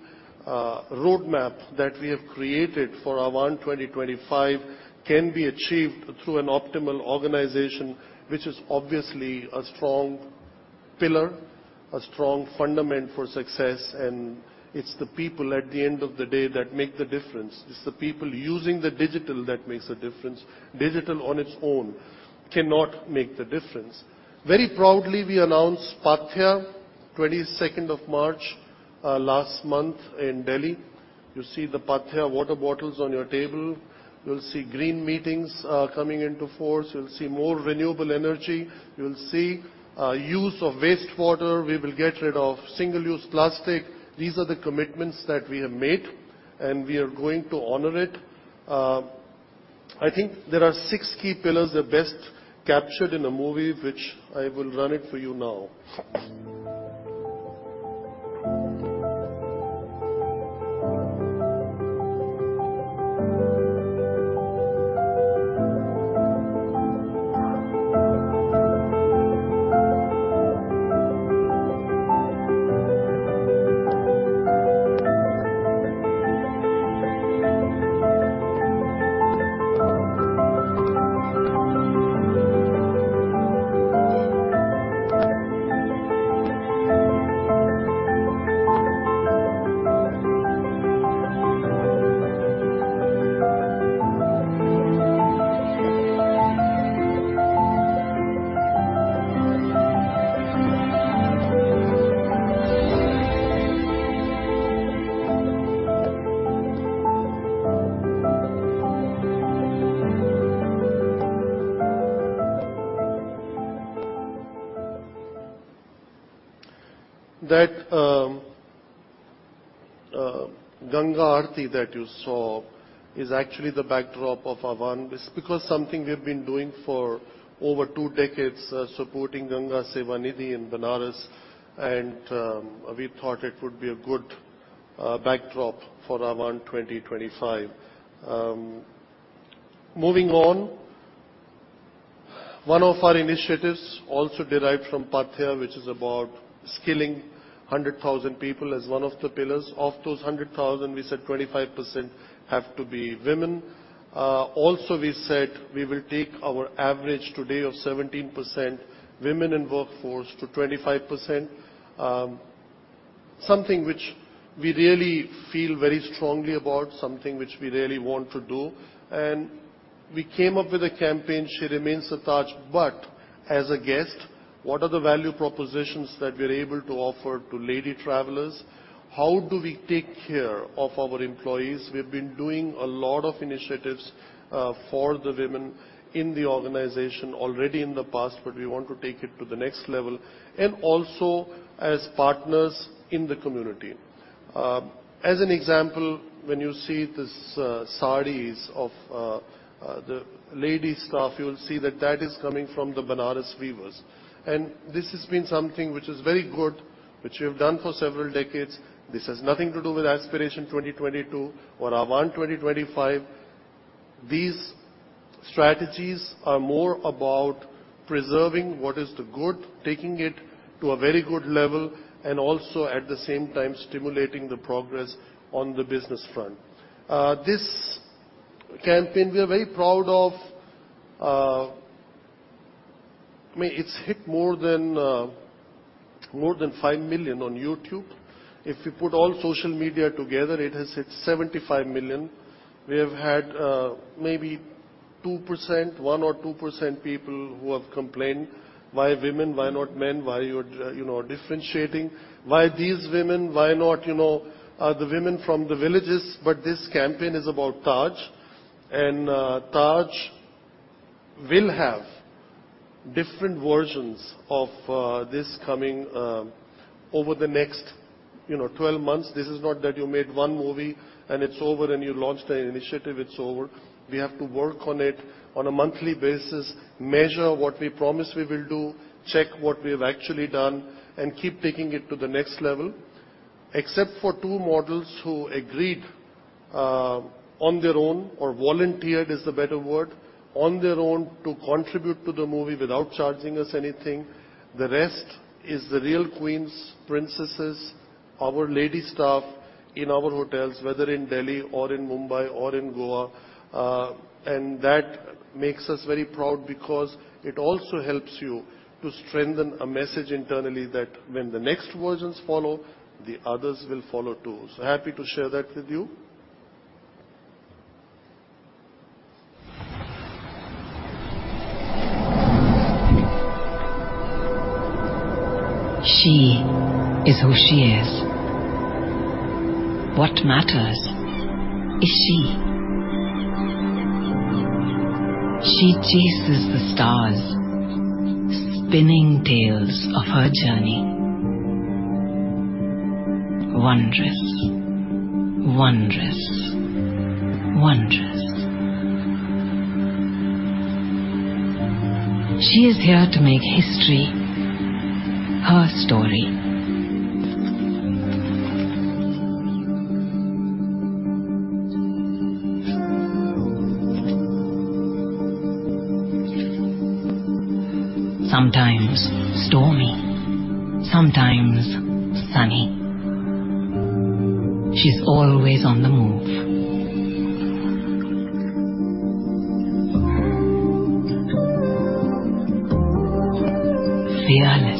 road map that we have created for our Ahvaan 2025 can be achieved through an optimal organization, which is obviously a strong pillar, a strong fundament for success. It's the people at the end of the day that make the difference. It's the people using the digital that makes a difference. Digital on its own cannot make the difference. Very proudly, we announced Paathya, 22 March, last month in Delhi. You'll see the Paathya water bottles on your table. You'll see green meetings, coming into force. You'll see more renewable energy. You'll see use of wastewater. We will get rid of single-use plastic. These are the commitments that we have made, and we are going to honor it. I think there are six key pillars, the best captured in a movie, which I will run it for you now. That Ganga Aarti that you saw is actually the backdrop of our ONE. It's because something we've been doing for over two decades, supporting Ganga Seva Nidhi in Banaras, and we thought it would be a good backdrop for our ONE 2025. Moving on. One of our initiatives also derived from Paathya, which is about skilling 100,000 people as one of the pillars. Of those 100,000, we said 25% have to be women. Also we said we will take our average today of 17% women in workforce to 25%. Something which we really feel very strongly about, something which we really want to do. We came up with a campaign, She Remains the Taj. As a guest, what are the value propositions that we're able to offer to lady travelers? How do we take care of our employees? We've been doing a lot of initiatives for the women in the organization already in the past, but we want to take it to the next level, and also as partners in the community. As an example, when you see these sarees of the lady staff, you will see that is coming from the Banaras weavers. This has been something which is very good, which we have done for several decades. This has nothing to do with Aspiration 2022 or our Ahvaan 2025. These strategies are more about preserving what is the good, taking it to a very good level, and also at the same time stimulating the progress on the business front. This campaign, we are very proud of. I mean, it's hit more than 5 million on YouTube. If you put all social media together, it has hit 75 million. We have had maybe 2%, 1% or 2% people who have complained, "Why women? Why not men? Why you're differentiating? Why these women? Why not the women from the villages?" This campaign is about Taj, and Taj will have different versions of this coming over the next 12 months. This is not that you made one movie and it's over, and you launched an initiative, it's over. We have to work on it on a monthly basis, measure what we promise we will do, check what we have actually done, and keep taking it to the next level. Except for two models who volunteered, is the better word, on their own to contribute to the movie without charging us anything. The rest is the real queens, princesses, our lady staff in our hotels, whether in Delhi or in Mumbai or in Goa. That makes us very proud because it also helps you to strengthen a message internally that when the next versions follow, the others will follow, too. Happy to share that with you. She is who she is. What matters is she. She chases the stars, spinning tales of her journey. Wondrous, wondrous. She is here to make history her story. Sometimes stormy, sometimes sunny. She's always on the move. Fearless.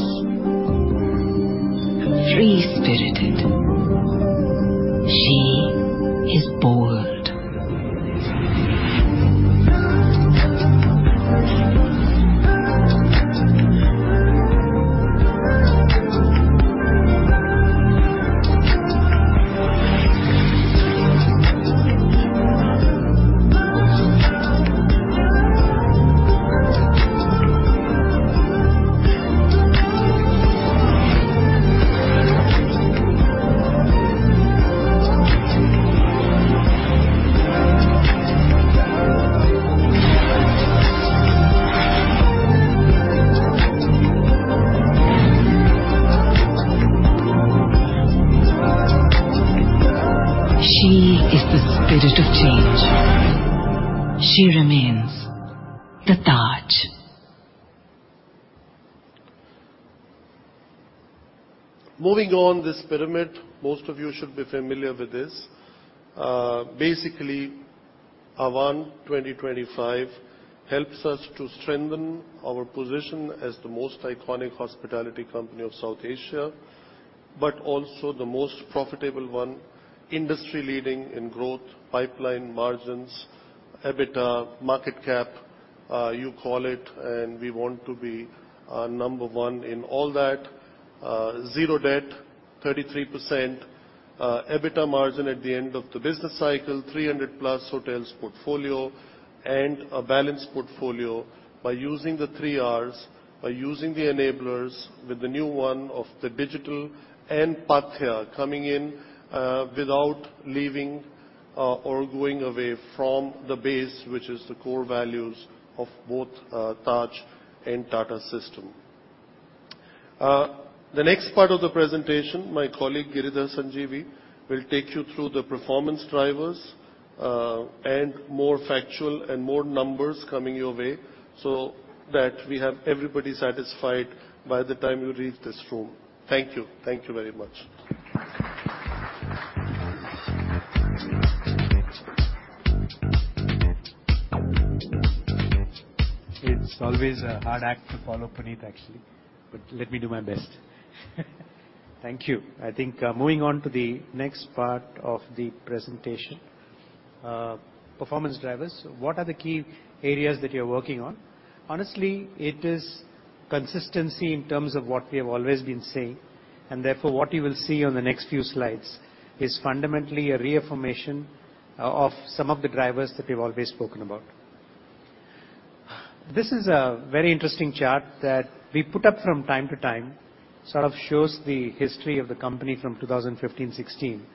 Free-spirited. She is bold. She is the spirit of change. She Remains the Taj. Moving on, this pyramid, most of you should be familiar with this. Basically Ahvaan 2025 helps us to strengthen our position as the most iconic hospitality company of South Asia, but also the most profitable one, industry leading in growth, pipeline, margins, EBITDA, market cap, you call it, and we want to be number one in all that. Zero debt, 33% EBITDA margin at the end of the business cycle, 300+ hotels portfolio, and a balanced portfolio by using the three Rs, by using the enablers with the new one of the digital and Paathya coming in, without leaving or going away from the base, which is the core values of both Taj and Tata system. The next part of the presentation, my colleague, Giridhar Sanjeevi, will take you through the performance drivers, and more factual and more numbers coming your way, so that we have everybody satisfied by the time you leave this room. Thank you. Thank you very much. It's always a hard act to follow, Puneet, actually, but let me do my best. Thank you. I think, moving on to the next part of the presentation, performance drivers. What are the key areas that you're working on? Honestly, it is consistency in terms of what we have always been saying, and therefore, what you will see on the next few slides is fundamentally a reaffirmation of some of the drivers that we've always spoken about. This is a very interesting chart that we put up from time to time, sort of shows the history of the company from 2015 to 2016.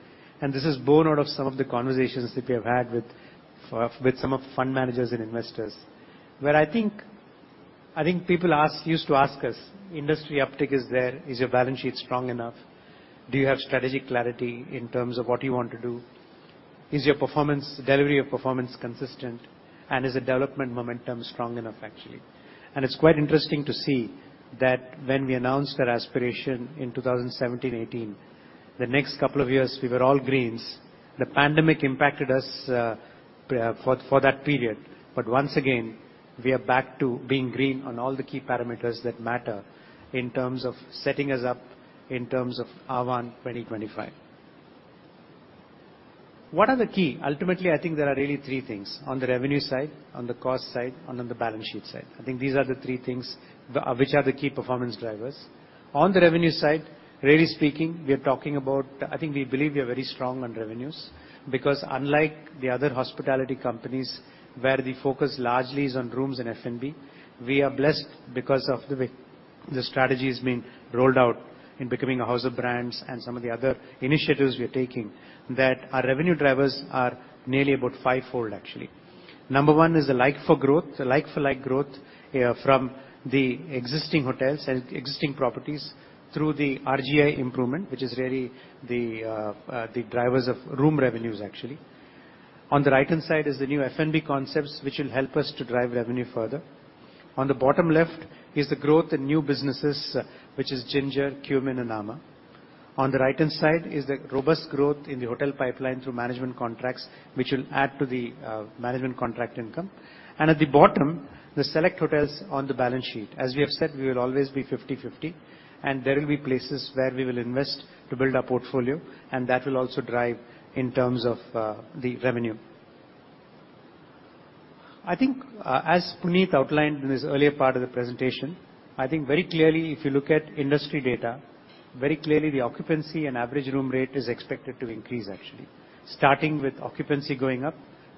This is born out of some of the conversations that we have had with some of the fund managers and investors, where I think people used to ask us, industry uptick is there, is your balance sheet strong enough? Do you have strategic clarity in terms of what you want to do? Is your performance, delivery of performance consistent? Is the development momentum strong enough, actually? It's quite interesting to see that when we announced our Aspiration in 2017, 2018, the next couple of years, we were all greens. The pandemic impacted us for that period. Once again, we are back to being green on all the key parameters that matter in terms of setting us up, in terms of Ahvaan 2025. What are the key? Ultimately, I think there are really three things on the revenue side, on the cost side, and on the balance sheet side. I think these are the three things which are the key performance drivers. On the revenue side, really speaking, we are talking about. I think we believe we are very strong on revenues, because unlike the other hospitality companies where the focus largely is on rooms and F&B, we are blessed because of the way the strategy is being rolled out in becoming a house of brands and some of the other initiatives we are taking, that our revenue drivers are nearly about five-fold actually. Number one is the like for like growth from the existing hotels and existing properties through the RGI improvement, which is really the drivers of room revenues actually. On the right-hand side is the new F&B concepts, which will help us to drive revenue further. On the bottom left is the growth in new businesses, which is Ginger, Qmin, and amã. On the right-hand side is the robust growth in the hotel pipeline through management contracts, which will add to the management contract income. At the bottom, the SeleQtions hotels on the balance sheet. As we have said, we will always be 50/50, and there will be places where we will invest to build our portfolio, and that will also drive in terms of the revenue. I think as Puneet outlined in his earlier part of the presentation, I think very clearly, if you look at industry data, very clearly the occupancy and average room rate is expected to increase actually. Starting with occupancy going up,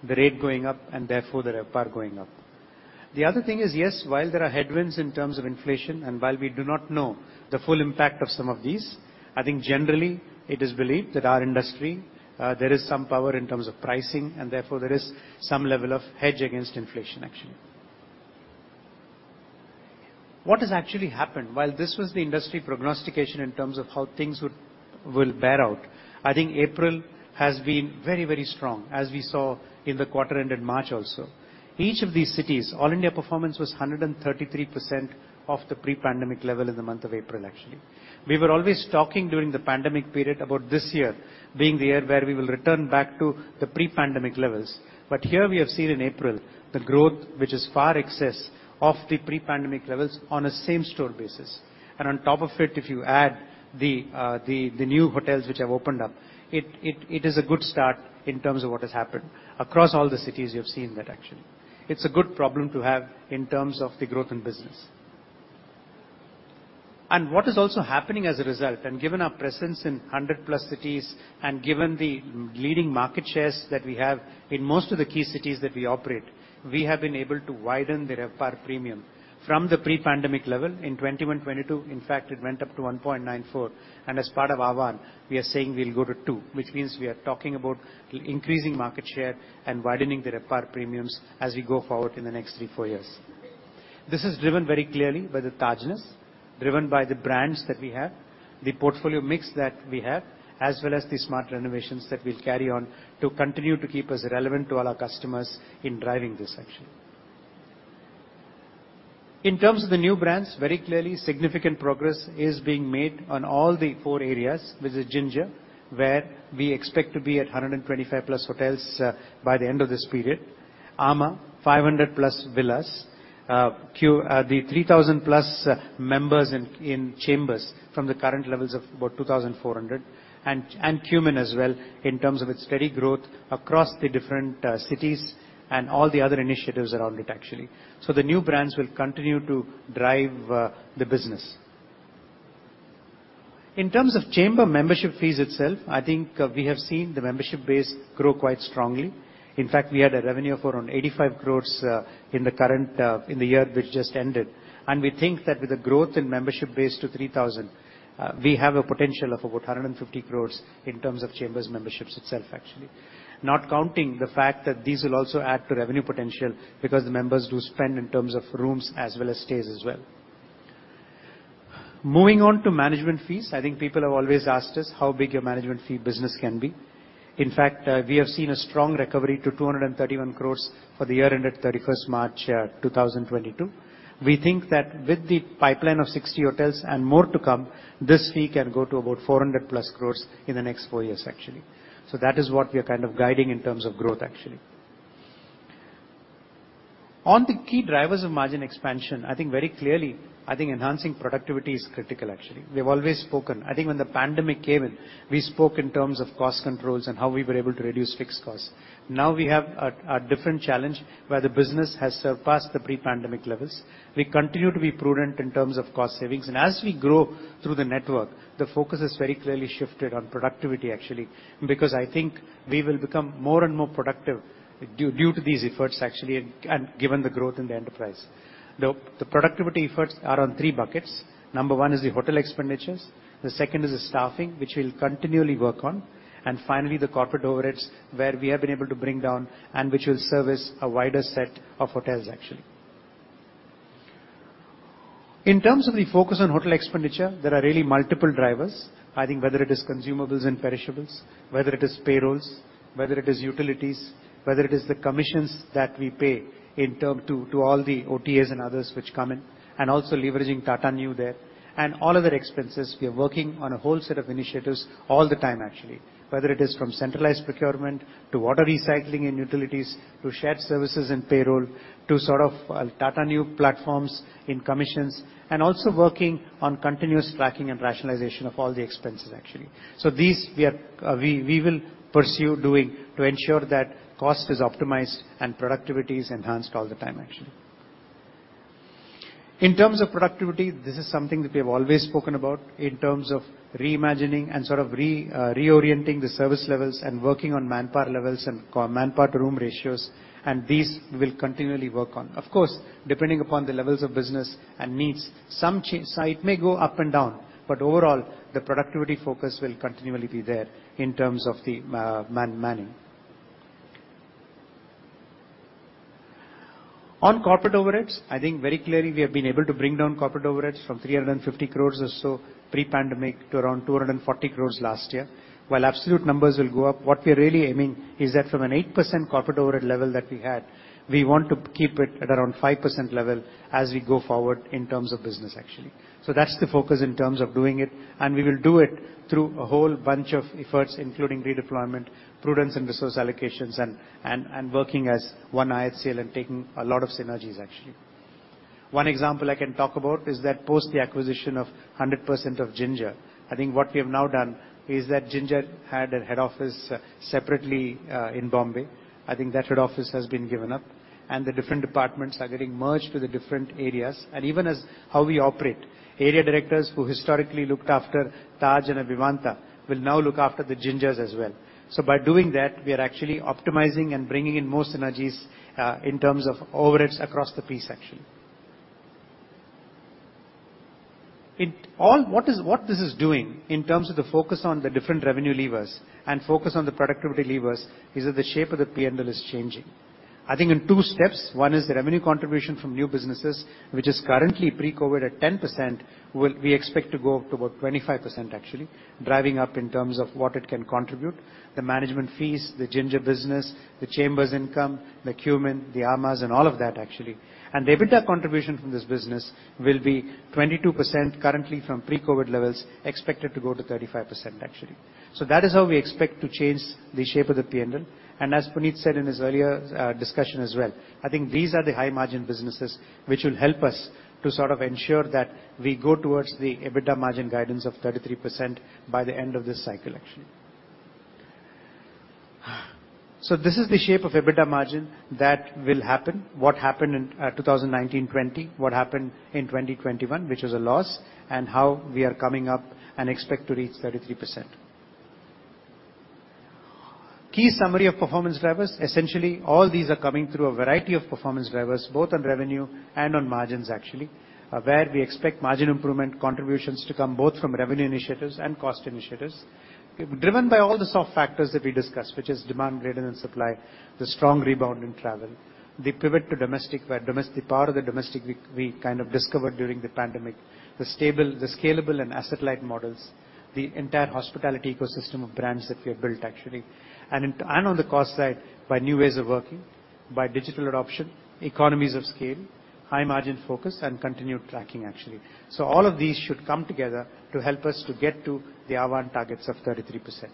the rate going up, and therefore the RevPAR going up. The other thing is, yes, while there are headwinds in terms of inflation, and while we do not know the full impact of some of these, I think generally it is believed that our industry, there is some power in terms of pricing and therefore there is some level of hedge against inflation actually. What has actually happened? While this was the industry prognostication in terms of how things will bear out, I think April has been very, very strong as we saw in the quarter ended March also. Each of these cities, all India performance was 133% of the pre-pandemic level in the month of April actually. We were always talking during the pandemic period about this year being the year where we will return back to the pre-pandemic levels. Here we have seen in April the growth, which is far in excess of the pre-pandemic levels on a same store basis. On top of it, if you add the new hotels which have opened up, it is a good start in terms of what has happened. Across all the cities you have seen that actually. It's a good problem to have in terms of the growth in business. What is also happening as a result, and given our presence in 100+ cities and given the leading market shares that we have in most of the key cities that we operate, we have been able to widen the RevPAR premium from the pre-pandemic level in 2021, 2022. In fact, it went up to 1.94. As part of Ahvaan, we are saying we'll go to two, which means we are talking about increasing market share and widening the RevPAR premiums as we go forward in the next three to four years. This is driven very clearly by the Tajness, driven by the brands that we have, the portfolio mix that we have, as well as the smart renovations that we'll carry on to continue to keep us relevant to all our customers in driving this actually. In terms of the new brands, very clearly significant progress is being made on all the four areas. This is Ginger, where we expect to be at 125+ hotels by the end of this period. amã, 500+ villas. Qmin, the 3,000+ members in Chambers from the current levels of about 2,400. Qmin as well in terms of its steady growth across the different cities and all the other initiatives around it actually. The new brands will continue to drive the business. In terms of Chamber membership fees itself, I think we have seen the membership base grow quite strongly. In fact, we had a revenue of around 85 crore in the current year which just ended. We think that with the growth in membership base to 3,000, we have a potential of about 150 crores in terms of The Chambers memberships itself actually. Not counting the fact that these will also add to revenue potential because the members do spend in terms of rooms as well as stays as well. Moving on to management fees. I think people have always asked us how big a management fee business can be. In fact, we have seen a strong recovery to 231 crores for the year ended 31st March 2022. We think that with the pipeline of 60 hotels and more to come, this fee can go to about 400+ crores in the next four years actually. That is what we are kind of guiding in terms of growth actually. On the key drivers of margin expansion, I think very clearly, I think enhancing productivity is critical actually. We have always spoken. I think when the pandemic came in, we spoke in terms of cost controls and how we were able to reduce fixed costs. Now we have a different challenge where the business has surpassed the pre-pandemic levels. We continue to be prudent in terms of cost savings. As we grow through the network, the focus has very clearly shifted on productivity actually, because I think we will become more and more productive due to these efforts actually and given the growth in the enterprise. The productivity efforts are on three buckets. Number one is the hotel expenditures. The second is the staffing, which we'll continually work on. Finally, the corporate overheads, where we have been able to bring down and which will service a wider set of hotels actually. In terms of the focus on hotel expenditure, there are really multiple drivers. I think whether it is consumables and perishables, whether it is payrolls, whether it is utilities, whether it is the commissions that we pay to all the OTAs and others which come in, and also leveraging Tata Neu there. All other expenses, we are working on a whole set of initiatives all the time actually. Whether it is from centralized procurement to water recycling and utilities, to shared services and payroll, to sort of, Tata Neu platforms in commissions, and also working on continuous tracking and rationalization of all the expenses actually. We will pursue doing to ensure that cost is optimized and productivity is enhanced all the time actually. In terms of productivity, this is something that we have always spoken about in terms of reimagining and sort of reorienting the service levels and working on manpower levels and core manpower to room ratios, and these we'll continually work on. Of course, depending upon the levels of business and needs, so it may go up and down, but overall, the productivity focus will continually be there in terms of the manning. On corporate overheads, I think very clearly we have been able to bring down corporate overheads from 350 crore or so pre-pandemic to around 240 crore last year. While absolute numbers will go up, what we're really aiming is that from an 8% corporate overhead level that we had, we want to keep it at around 5% level as we go forward in terms of business actually. That's the focus in terms of doing it, and we will do it through a whole bunch of efforts, including redeployment, prudence in resource allocations and working as one IHCL and taking a lot of synergies actually. One example I can talk about is that post the acquisition of 100% of Ginger, I think what we have now done is that Ginger had a head office separately in Bombay. I think that head office has been given up, and the different departments are getting merged to the different areas. Even as how we operate, area directors who historically looked after Taj and Vivanta will now look after the Gingers as well. By doing that, we are actually optimizing and bringing in more synergies in terms of overheads across the piece actually. What this is doing in terms of the focus on the different revenue levers and focus on the productivity levers is that the shape of the P&L is changing. I think in two steps. One is the revenue contribution from new businesses, which is currently pre-COVID at 10%, we expect to go up to about 25% actually, driving up in terms of what it can contribute. The management fees, the Ginger business, the Chambers income, the Qmin, the amã Stays & Trails, and all of that actually. The EBITDA contribution from this business will be 22% currently from pre-COVID levels, expected to go to 35% actually. That is how we expect to change the shape of the P&L. As Puneet said in his earlier discussion as well, I think these are the high margin businesses which will help us to sort of ensure that we go towards the EBITDA margin guidance of 33% by the end of this cycle actually. This is the shape of EBITDA margin that will happen, what happened in 2019, 2020, what happened in 2021, which was a loss, and how we are coming up and expect to reach 33%. Key summary of performance drivers. Essentially, all these are coming through a variety of performance drivers, both on revenue and on margins actually, where we expect margin improvement contributions to come both from revenue initiatives and cost initiatives. Driven by all the soft factors that we discussed, which is demand greater than supply, the strong rebound in travel, the pivot to domestic, the power of the domestic we kind of discovered during the pandemic, the stable, the scalable and asset-light models, the entire hospitality ecosystem of brands that we have built actually. In, on the cost side, by new ways of working, by digital adoption, economies of scale, high margin focus and continued tracking actually. All of these should come together to help us to get to the Ahvaan targets of 33%.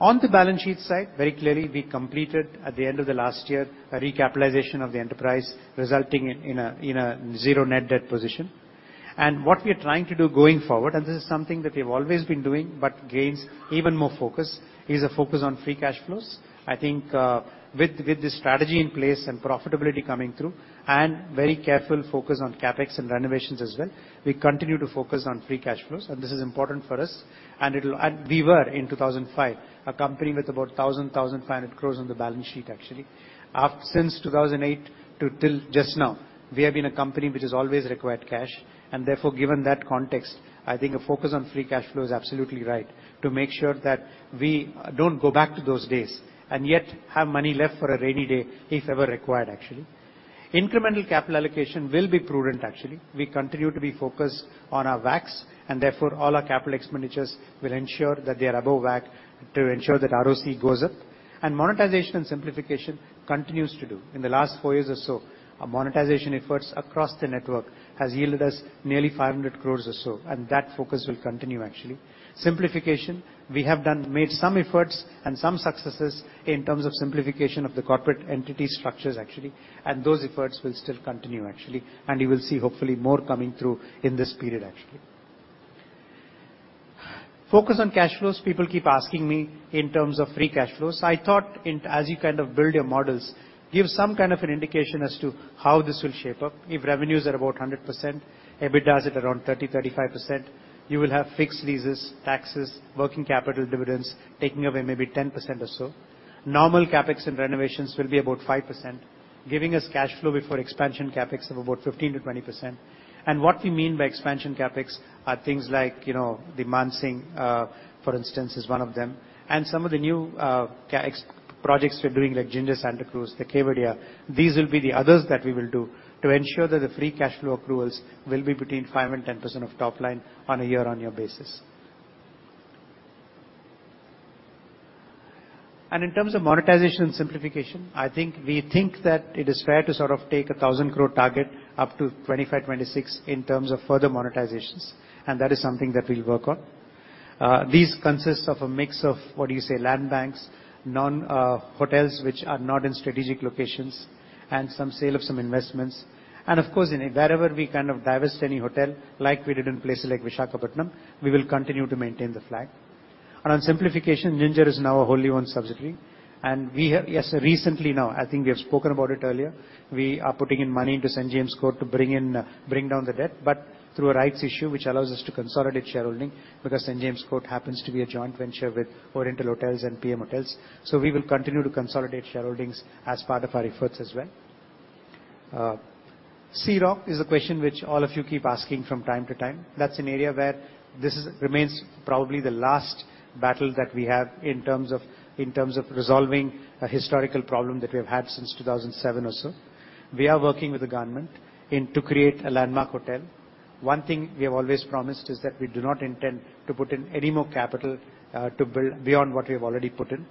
On the balance sheet side, very clearly we completed at the end of the last year a recapitalization of the enterprise, resulting in a zero net debt position. What we are trying to do going forward, and this is something that we've always been doing but gains even more focus, is a focus on free cash flows. I think, with this strategy in place and profitability coming through and very careful focus on CapEx and renovations as well, we continue to focus on free cash flows, and this is important for us. We were in 2005, a company with about 1,500 crores on the balance sheet actually. Since 2008 to till just now, we have been a company which has always required cash and therefore, given that context, I think a focus on free cash flow is absolutely right to make sure that we don't go back to those days and yet have money left for a rainy day if ever required actually. Incremental capital allocation will be prudent actually. We continue to be focused on our WACC, and therefore, all our capital expenditures will ensure that they are above WACC to ensure that ROC goes up. Monetization and simplification continues to do. In the last four years or so, our monetization efforts across the network has yielded us nearly 500 crores or so, and that focus will continue actually. Simplification, we have made some efforts and some successes in terms of simplification of the corporate entity structures actually, and those efforts will still continue actually, and you will see hopefully more coming through in this period actually. Focus on cash flows. People keep asking me in terms of free cash flows. I thought as you kind of build your models, give some kind of an indication as to how this will shape up. If revenues are about 100%, EBITDA is at around 30% to 35%, you will have fixed leases, taxes, working capital dividends taking away maybe 10% or so. Normal CapEx and renovations will be about 5%, giving us cash flow before expansion CapEx of about 15% to 20%. What we mean by expansion CapEx are things like, you know, the Mansingh, for instance, is one of them, and some of the new CapEx projects we're doing like Ginger Santa Cruz, the Kevadia. These will be the others that we will do to ensure that the free cash flow accruals will be between 5% to 10% of top line on a year-over-year basis. In terms of monetization and simplification, I think we think that it is fair to sort of take a 1,000 crore target up to 25% to 26% in terms of further monetizations, and that is something that we'll work on. These consist of a mix of, what do you say, land banks, non-core hotels which are not in strategic locations, and some sale of some investments. Of course, wherever we kind of divest any hotel, like we did in places like Visakhapatnam, we will continue to maintain the flag. On simplification, Ginger is now a wholly owned subsidiary. Yes, recently now, I think we have spoken about it earlier, we are putting in money int St. James' Court to bring down the debt, but through a right issue which allows us to consolidate shareholding, because St. James Court happens to be a joint venture with Orient Hotels. So, we will continue to consolidate shareholding as part of our efforts as well. C-Rock is a question which all of you keep asking from time to time. That's an area wher this remains probably the last battle that we have in terms of resolving a historical problem that we have had since 2007 or so. We are working with the government to create a landmark hotel One thing we have always promised is that we do not intend to put in any more capital to build beyond what we have already put in.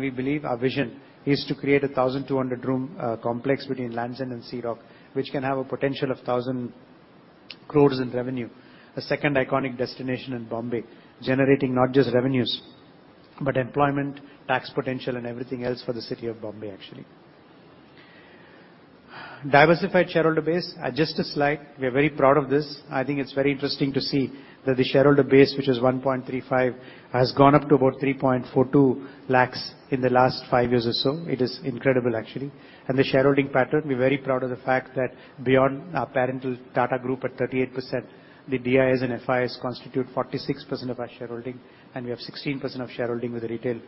We believe our vision is to create a 1,200-room complex between Lands End and Sea Rock, which can have a potential of 1,000 crore in revenue. A second iconic destination in Bombay, generating not just revenues, but employment, tax potential and everything else for the city of Bombay actually. Diversified shareholder base. Just a slide. We are very proud of this. I think it's very interesting to see that the shareholder base, which is 1.35 lakh, has gone up to about 3.42 lakh in the last five years or so. It is incredible, actually. The shareholding pattern, we're very proud of the fact that beyond our promoter Tata Group at 38%, the DIIs and FIIs constitute 46% of our shareholding, and we have 16% of shareholding with the retail.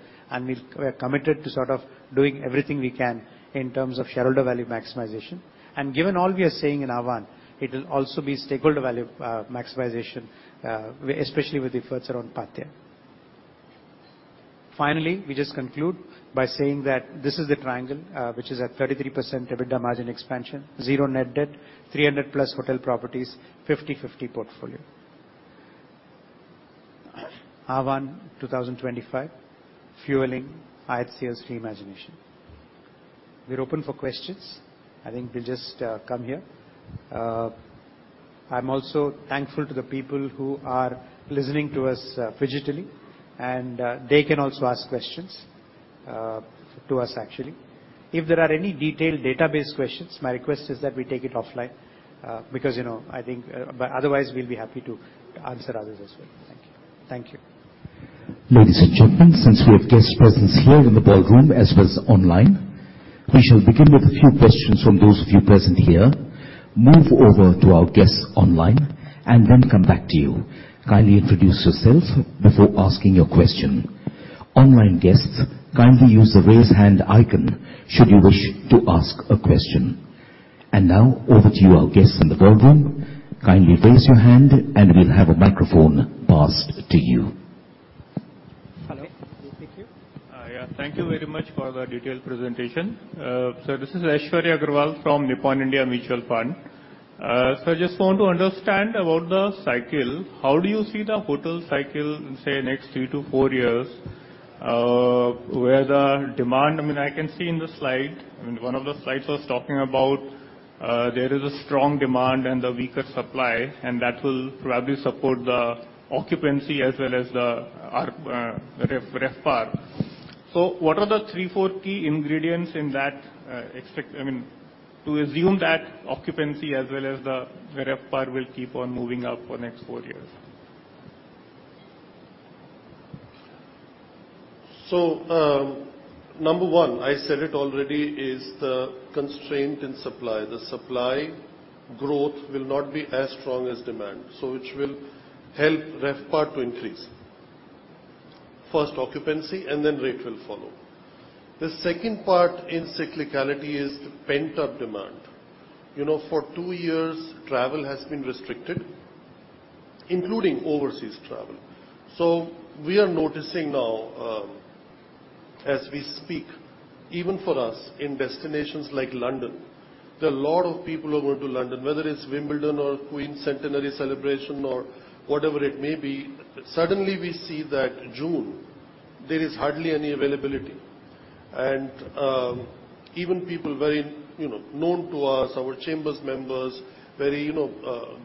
We're committed to sort of doing everything we can in terms of shareholder value maximization. Given all we are saying in Ahvaan, it will also be stakeholder value maximization, especially with the efforts around Paathya. Finally, we just conclude by saying that this is the triangle, which is at 33% EBITDA margin expansion, zero net debt, 300+ hotel properties, 50/50 portfolio. Ahvaan 2025, fueling IHCL's reimagination. We're open for questions. I think we'll just come here. I'm also thankful to the people who are listening to us digitally, and they can also ask questions to us actually. If there are any detailed database questions, my request is that we take it offline because, you know, I think. Otherwise we'll be happy to answer others as well. Thank you. Thank you. Ladies and gentlemen, since we have guest presence here in the ballroom as well as online, we shall begin with a few questions from those of you present here, move over to our guests online and then come back to you. Kindly introduce yourself before asking your question. Online guests, kindly use the raise hand icon should you wish to ask a question. Now over to you, our guests in the ballroom. Kindly raise your hand and we'll have a microphone passed to you. Hello. Thank you very much for the detailed presentation. This is Aishwarya Agarwal from Nippon India Mutual Fund. I just want to understand about the cycle. How do you see the hotel cycle in, say, the next three to four years? I mean, I can see in the slide. I mean, one of the slides was talking about there is a strong demand and a weaker supply, and that will probably support the occupancy as well as the RevPAR. What are the three to four key ingredients in that? I mean, to assume that occupancy as well as the RevPAR will keep on moving up for next four years? Number one, I said it already, is the constraint in supply. The supply growth will not be as strong as demand, so which will help RevPAR to increase. First occupancy and then rate will follow. The second part in cyclicality is the pent-up demand. You know, for two years, travel has been restricted, including overseas travel. We are noticing now, as we speak, even for us in destinations like London, there are a lot of people who are going to London, whether it's Wimbledon or Queen's centenary celebration or whatever it may be. Suddenly we see that June there is hardly any availability. Even people very known to us, our Chambers members, very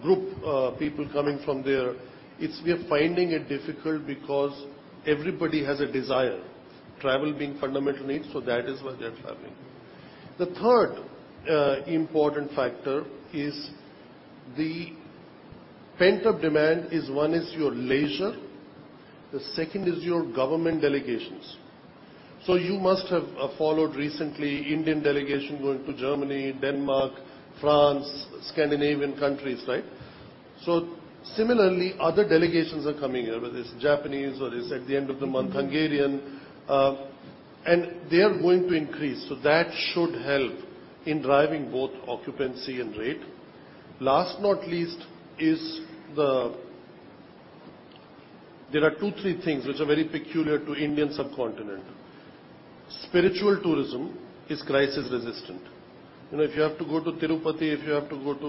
group people coming from there, we are finding it difficult because everybody has a desire, travel being fundamental need, so that is why they are traveling. The third important factor is the pent-up demand. One is your leisure, the second is your government delegations. You must have followed recently Indian delegation going to Germany, Denmark, France, Scandinavian countries, right? Similarly, other delegations are coming here, whether it's Japanese or it's at the end of the month, Hungarian, and they are going to increase. That should help in driving both occupancy and rate. Last but not least, there are two, three things which are very peculiar to Indian subcontinent. Spiritual tourism is crisis resistant. You know, if you have to go to Tirupati, if you have to go to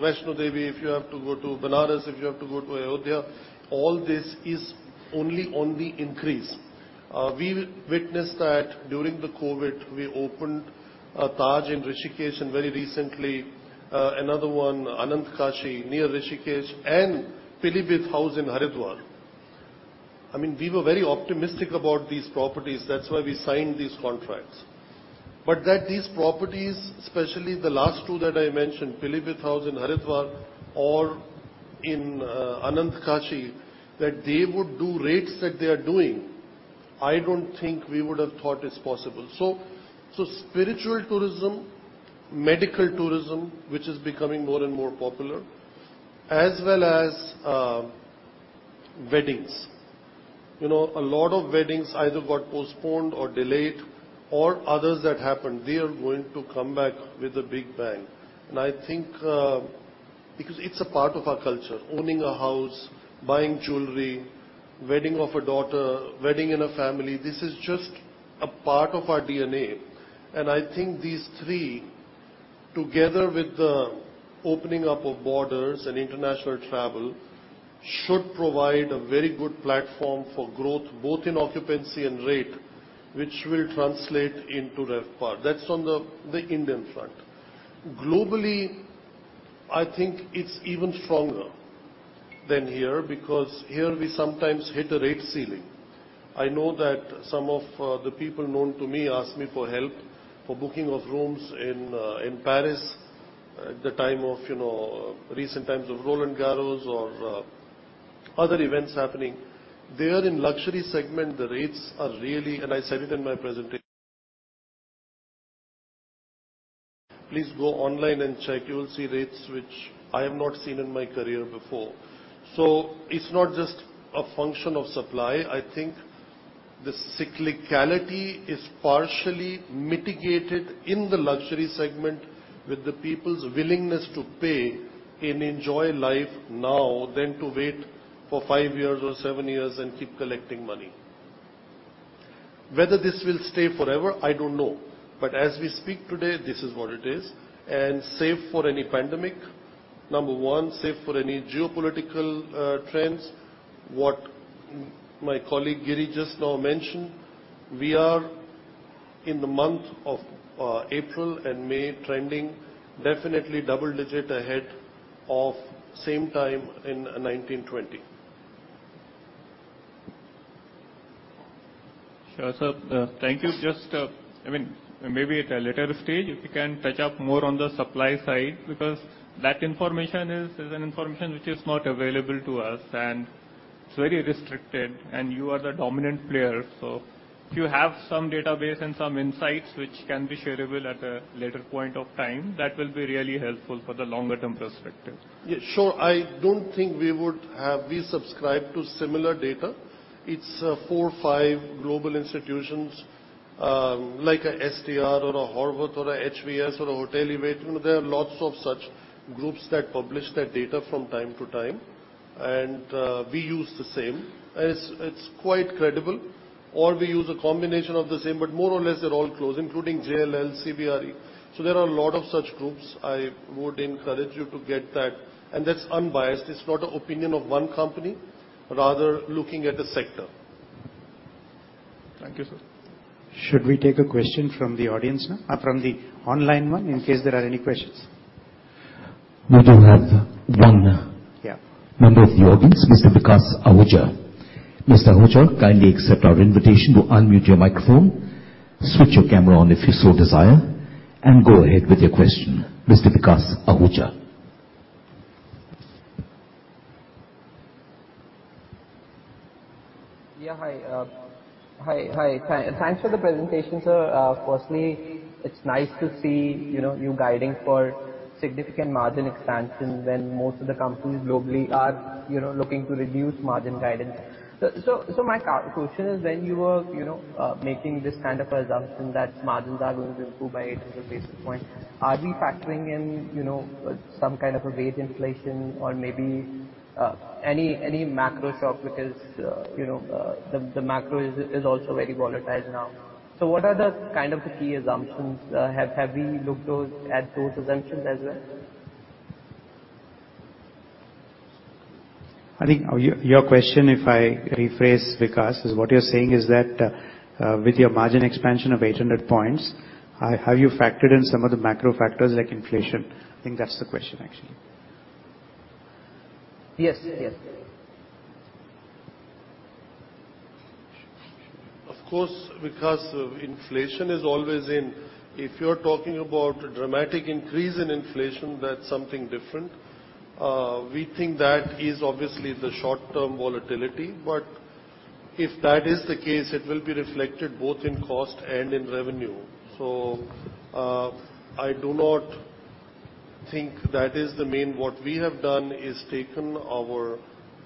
Vaishno Devi, if you have to go to Banaras, if you have to go to Ayodhya, all this is only on the increase. We witnessed that during the COVID. We opened a Taj in Rishikesh and very recently, another one, Anand Kashi near Rishikesh and Pilibhit House in Haridwar. I mean, we were very optimistic about these properties. That's why we signed these contracts. That these properties, especially the last two that I mentioned, Pilibhit House in Haridwar or in Anand Kashi, that they would do rates that they are doing, I don't think we would have thought it's possible. Spiritual tourism, medical tourism, which is becoming more and more popular, as well as weddings. You know, a lot of weddings either got postponed or delayed or others that happened, they are going to come back with a big bang. I think, because it's a part of our culture, owning a house, buying jewelry, wedding of a daughter, wedding in a family, this is just a part of our DNA. I think these three, together with the opening up of borders and international travel, should provide a very good platform for growth, both in occupancy and rate, which will translate into RevPAR. That's on the Indian front. Globally, I think it's even stronger than here, because here we sometimes hit a rate ceiling. I know that some of the people known to me ask me for help for booking of rooms in Paris at the time of, you know, recent times of Roland Garros or other events happening. There in luxury segment, the rates are really. I said it in my presentation. Please go online and check, you will see rates which I have not seen in my career before. It's not just a function of supply. I think the cyclicality is partially mitigated in the luxury segment with the people's willingness to pay and enjoy life now than to wait for five years or seven years and keep collecting money. Whether this will stay forever, I don't know. As we speak today, this is what it is. Save for any pandemic, number one, save for any geopolitical trends, what my colleague, Giri, just now mentioned, we are in the month of April and May trending definitely double-digit ahead of same time in 2019, 2020. Sure, sir. Thank you. Just, I mean, maybe at a later stage, if you can touch up more on the supply side, because that information is an information which is not available to us and it's very restricted, and you are the dominant player. So if you have some database and some insights which can be shareable at a later point of time, that will be really helpful for the longer term perspective. Yeah, sure. We subscribe to similar data. It's four to fiveglobal institutions, like STR, Horwath, HVS, or Hotelivate. You know, there are lots of such groups that publish that data from time to time, and we use the same, and it's quite credible. Or we use a combination of the same, but more or less they're all close, including JLL, CBRE. There are a lot of such groups. I would encourage you to get that. That's unbiased. It's not an opinion of one company, rather looking at the sector. Thank you, sir. Should we take a question from the audience now? From the online one, in case there are any questions. We do have one. Yeah. Member of the audience, Mr. Vikas Ahuja. Mr. Ahuja, kindly accept our invitation to unmute your microphone, switch your camera on if you so desire, and go ahead with your question. Mr. Vikas Ahuja. Thanks for the presentation, sir. Firstly, it's nice to see, you know, you guiding for significant margin expansion when most of the companies globally are, you know, looking to reduce margin guidance. So my question is when you were, you know, making this kind of assumption that margins are going to improve by 800 basis points, are we factoring in, you know, some kind of a wage inflation or maybe any macro shock? Because, you know, the macro is also very volatile now. So what are the key assumptions? Have we looked at those assumptions as well? I think your question, if I rephrase, Vikas Ahuja, is what you're saying is that, with your margin expansion of 800 points, have you factored in some of the macro factors like inflation? I think that's the question actually. Yes. Yes. Of course because inflation is always. If you're talking about a dramatic increase in inflation, that's something different. We think that is obviously the short-term volatility. If that is the case, it will be reflected both in cost and in revenue. I do not think that is the main. What we have done is taken our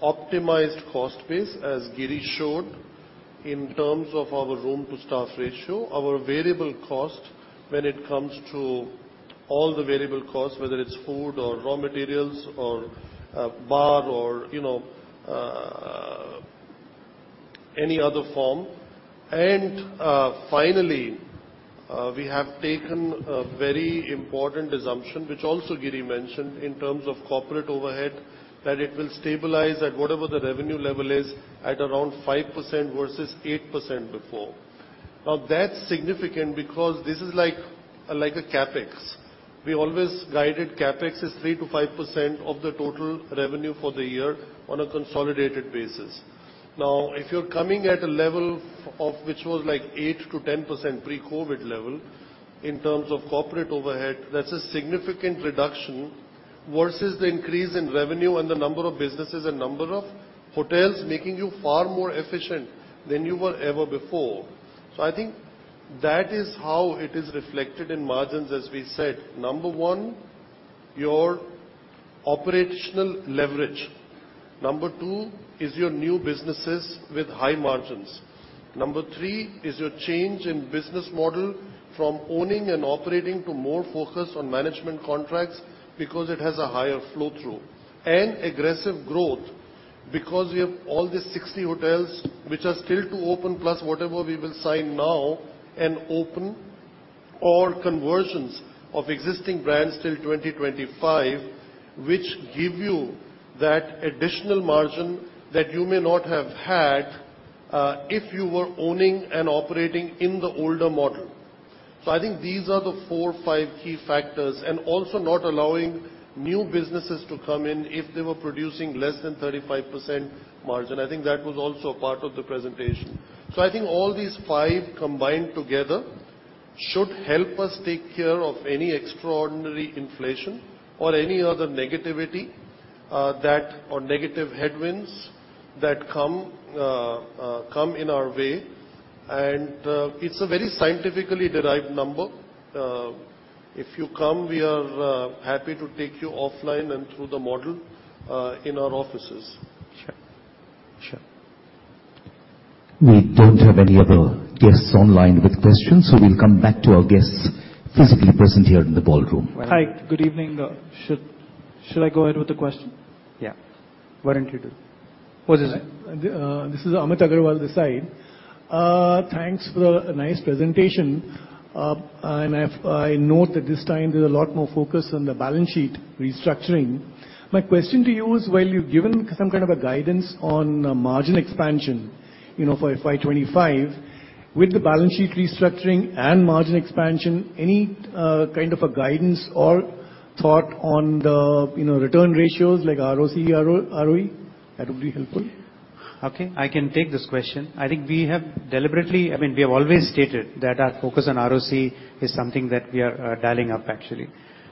optimized cost base, as Giri showed, in terms of our room-to-staff ratio, our variable cost when it comes to all the variable costs, whether it's food or raw materials or bar or, you know, any other form. Finally, we have taken a very important assumption, which also Giri mentioned, in terms of corporate overhead, that it will stabilize at whatever the revenue level is at around 5% versus 8% before. Now, that's significant because this is like a CapEx. We always guided CapEx is 3% to 5% of the total revenue for the year on a consolidated basis. Now, if you're coming at a level of which was like 8% to 10% pre-COVID level in terms of corporate overhead, that's a significant reduction versus the increase in revenue and the number of businesses and number of hotels making you far more efficient than you were ever before. I think that is how it is reflected in margins as we said. Number one, your operational leverage. Number two is your new businesses with high margins. Number three is your change in business model from owning and operating to more focus on management contracts because it has a higher flow through. Aggressive growth because we have all these 60 hotels which are still to open plus whatever we will sign now and open or conversions of existing brands till 2025 which give you that additional margin that you may not have had, if you were owning and operating in the older model. I think these are the four or five key factors, and also not allowing new businesses to come in if they were producing less than 35% margin. I think that was also a part of the presentation. I think all these five combined together should help us take care of any extraordinary inflation or any other negativity, that or negative headwinds that come in our way. It's a very scientifically derived number. If you come, we are happy to take you offline and through the model in our offices. Sure. Sure. We don't have any other guests online with questions, so we'll come back to our guests physically present here in the ballroom. Hi. Good evening. Should I go ahead with the question? Yeah. Why don't you do? What is it? This is Amit Agarwal Desai. Thanks for the nice presentation. I note that this time there's a lot more focus on the balance sheet restructuring. My question to you is while you've given some kind of a guidance on margin expansion, you know, for FY 25, with the balance sheet restructuring and margin expansion any kind of a guidance or thought on the return ratios like ROC, ROE? That would be helpful. Okay. I can take this question. I think we have deliberately. I mean, we have always stated that our focus on ROC is something that we are dialing up actually.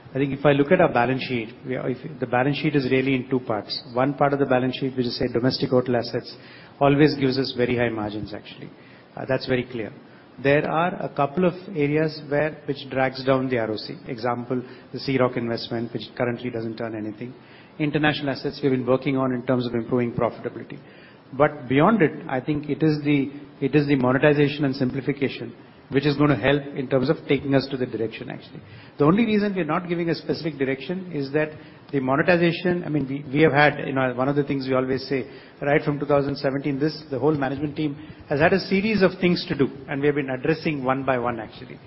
I think if I look at our balance sheet, we are. If the balance sheet is really in two parts. One part of the balance sheet which is say domestic hotel assets always gives us very high margins actually. That's very clear. There are a couple of areas which drags down the ROC. Example, the Sea Rock investment which currently doesn't earn anything. International assets we've been working on in terms of improving profitability. But beyond it, I think it is the monetization and simplification which is gonna help in terms of taking us to the direction actually. The only reason we're not giving a specific direction is that the monetization. I mean, we have had one of the things we always say right from 2017, the whole management team has had a series of things to do and we have been addressing one by one actually.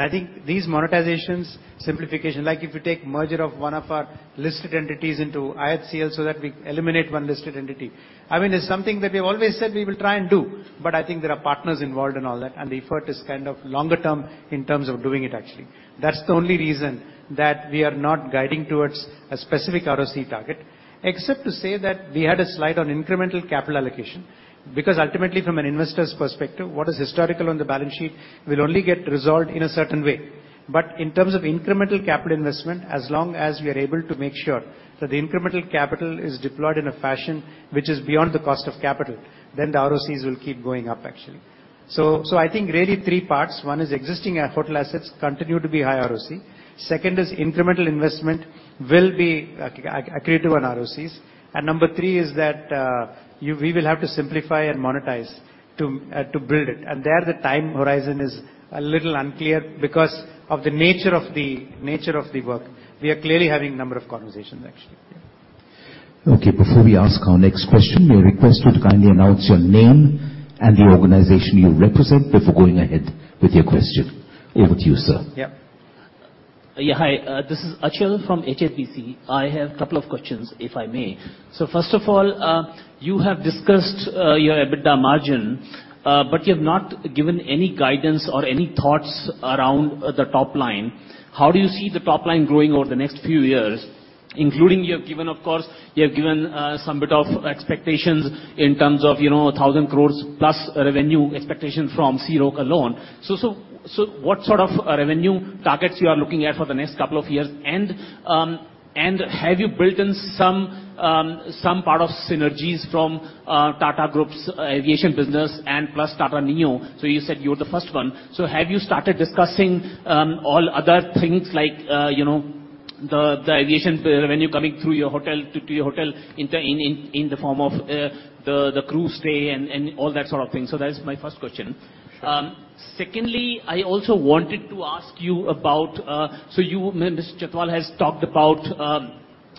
I think these monetizations, simplification, like if you take merger of one of our listed entities into IHCL so that we eliminate one listed entity, I mean, it's something that we've always said we will try and do, but I think there are partners involved and all that and the effort is kind of longer term in terms of doing it actually. That's the only reason that we are not guiding towards a specific ROC target. Except to say that we had a slide on incremental capital allocation because ultimately from an investor's perspective, what is historical on the balance sheet will only get resolved in a certain way. In terms of incremental capital investment, as long as we are able to make sure that the incremental capital is deployed in a fashion which is beyond the cost of capital, then the ROCs will keep going up actually. I think really three parts. One is existing hotel assets continue to be high ROC. Second is incremental investment will be accretive on ROCs. Number three is that we will have to simplify and monetize to build it. There, the time horizon is a little unclear because of the nature of the work. We are clearly having a number of conversations actually. Yeah. Okay. Before we ask our next question, may I request you to kindly announce your name and the organization you represent before going ahead with your question. Over to you, sir. Yeah. Yeah. Hi. This is Achal from HSBC. I have couple of questions if I may. First of all, you have discussed your EBITDA margin, but you have not given any guidance or any thoughts around the top line. How do you see the top line growing over the next few years? Including you have given, of course, you have given some bit of expectations in terms of, you know, 1,000 crores plus revenue expectation from Sea Rock alone. What sort of revenue targets you are looking at for the next couple of years? Have you built in some part of synergies from Tata Group's aviation business and plus Tata Neu? You said you're the first one, so have you started discussing all other things like, you know, the aviation revenue coming through your hotel to your hotel in the form of the crew stay and all that sort of thing? That is my first question. Sure. Secondly, I also wanted to ask you about. You, Mr. Chhatwal has talked about a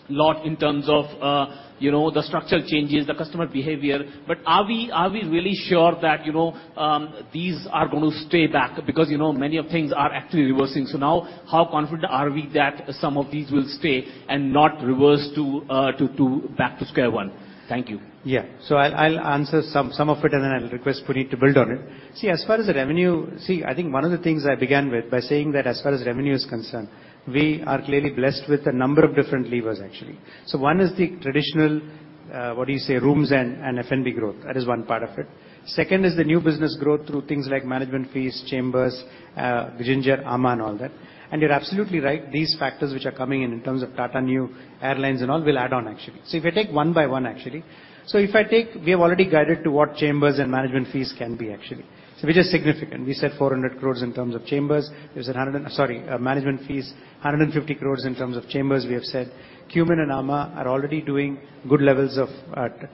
lot in terms of. You know, the structure changes the customer behavior. But are we really sure that, these are gonna stay back? Because, you know, many of things are actually reversing. Now how confident are we that some of these will stay and not reverse to back to square one? Thank you. I'll answer some of it, and then I'll request Puneet to build on it. See, as far as the revenue. See, I think one of the things I began with by saying that as far as revenue is concerned, we are clearly blessed with a number of different levers, actually. One is the traditional, what do you say? Rooms and F&B growth. That is one part of it. Second is the new business growth through things like management fees, Chambers, Ginger, amã and all that. You're absolutely right. These factors which are coming in terms of Tata Neu, airlines, and all will add on, actually. If you take one by one, actually. If I take. We have already guided to what Chambers and management fees can be, actually. Which is significant. We said 400 crores in terms of chambers. Sorry, management fees. 150 crores in terms of chambers, we have said. Qmin and amã are already doing good levels of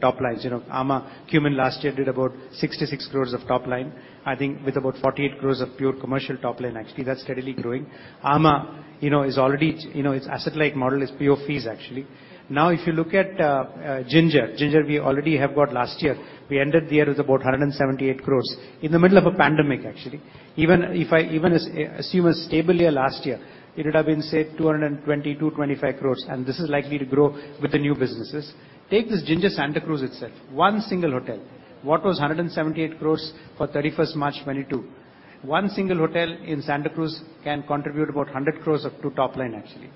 top lines. Amã, Qmin last year did about 66 crores of top line, I think with about 48 crores of pure commercial top line. Actually, that's steadily growing. Amã is already, its asset-light model is pure fees, actually. Now, if you look at Ginger. Ginger, we already have got last year. We ended the year with about 178 crores in the middle of a pandemic, actually. Even as we assume a stable year last year, it would have been, say, 220 to 225 crores, and this is likely to grow with the new businesses. Take this Ginger Santa Cruz itself, one single hotel. What was 178 crores for 31 March 2022? One single hotel in Santa Cruz can contribute about 100 crores of pure top line, actually.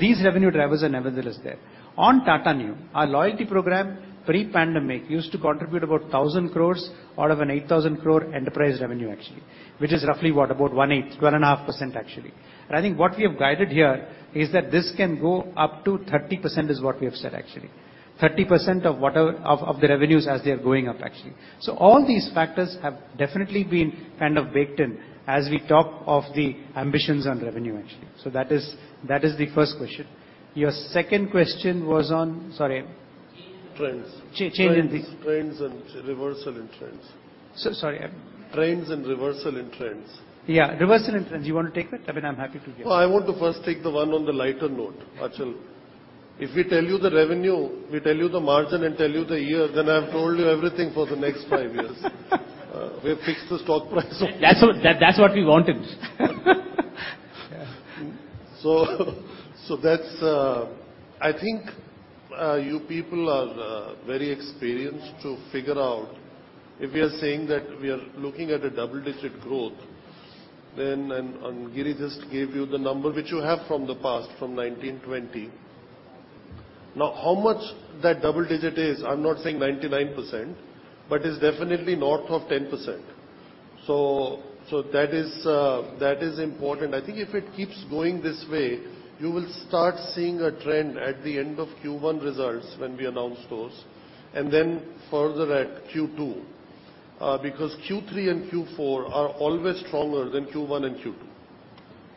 These revenue drivers are nevertheless there. On Tata Neu, our loyalty program pre-pandemic used to contribute about 1,000 crores out of an 8,000 crore enterprise revenue actually, which is roughly what? About 1/8, 12.5% actually. I think what we have guided here is that this can go up to 30% is what we have said actually. 30% of whatever of the revenues as they are going up actually. All these factors have definitely been kind of baked in as we talk of the ambitions on revenue actually. That is the first question. Your second question was on. Sorry. Change in the- Trends. Change in the- Trends and reversal in trends. S-sorry, um- Trends and reversal in trends. Yeah, reversal in trends. You want to take that, Puneet? I'm happy to give. No, I want to first take the one on the lighter note, Achal. If we tell you the revenue, we tell you the margin and tell you the year, then I've told you everything for the next five years. We've fixed the stock price. That's what we wanted. Yeah. That's. I think you people are very experienced to figure out if we are saying that we are looking at a double digit growth, then, and Giri just gave you the number which you have from the past, from 2019, 2020. Now, how much that double digit is, I'm not saying 99%, but it's definitely north of 10%. That is important. I think if it keeps going this way, you will start seeing a trend at the end of Q1 results when we announce those and then further at Q2, because Q3 and Q4 are always stronger than Q1 and Q2.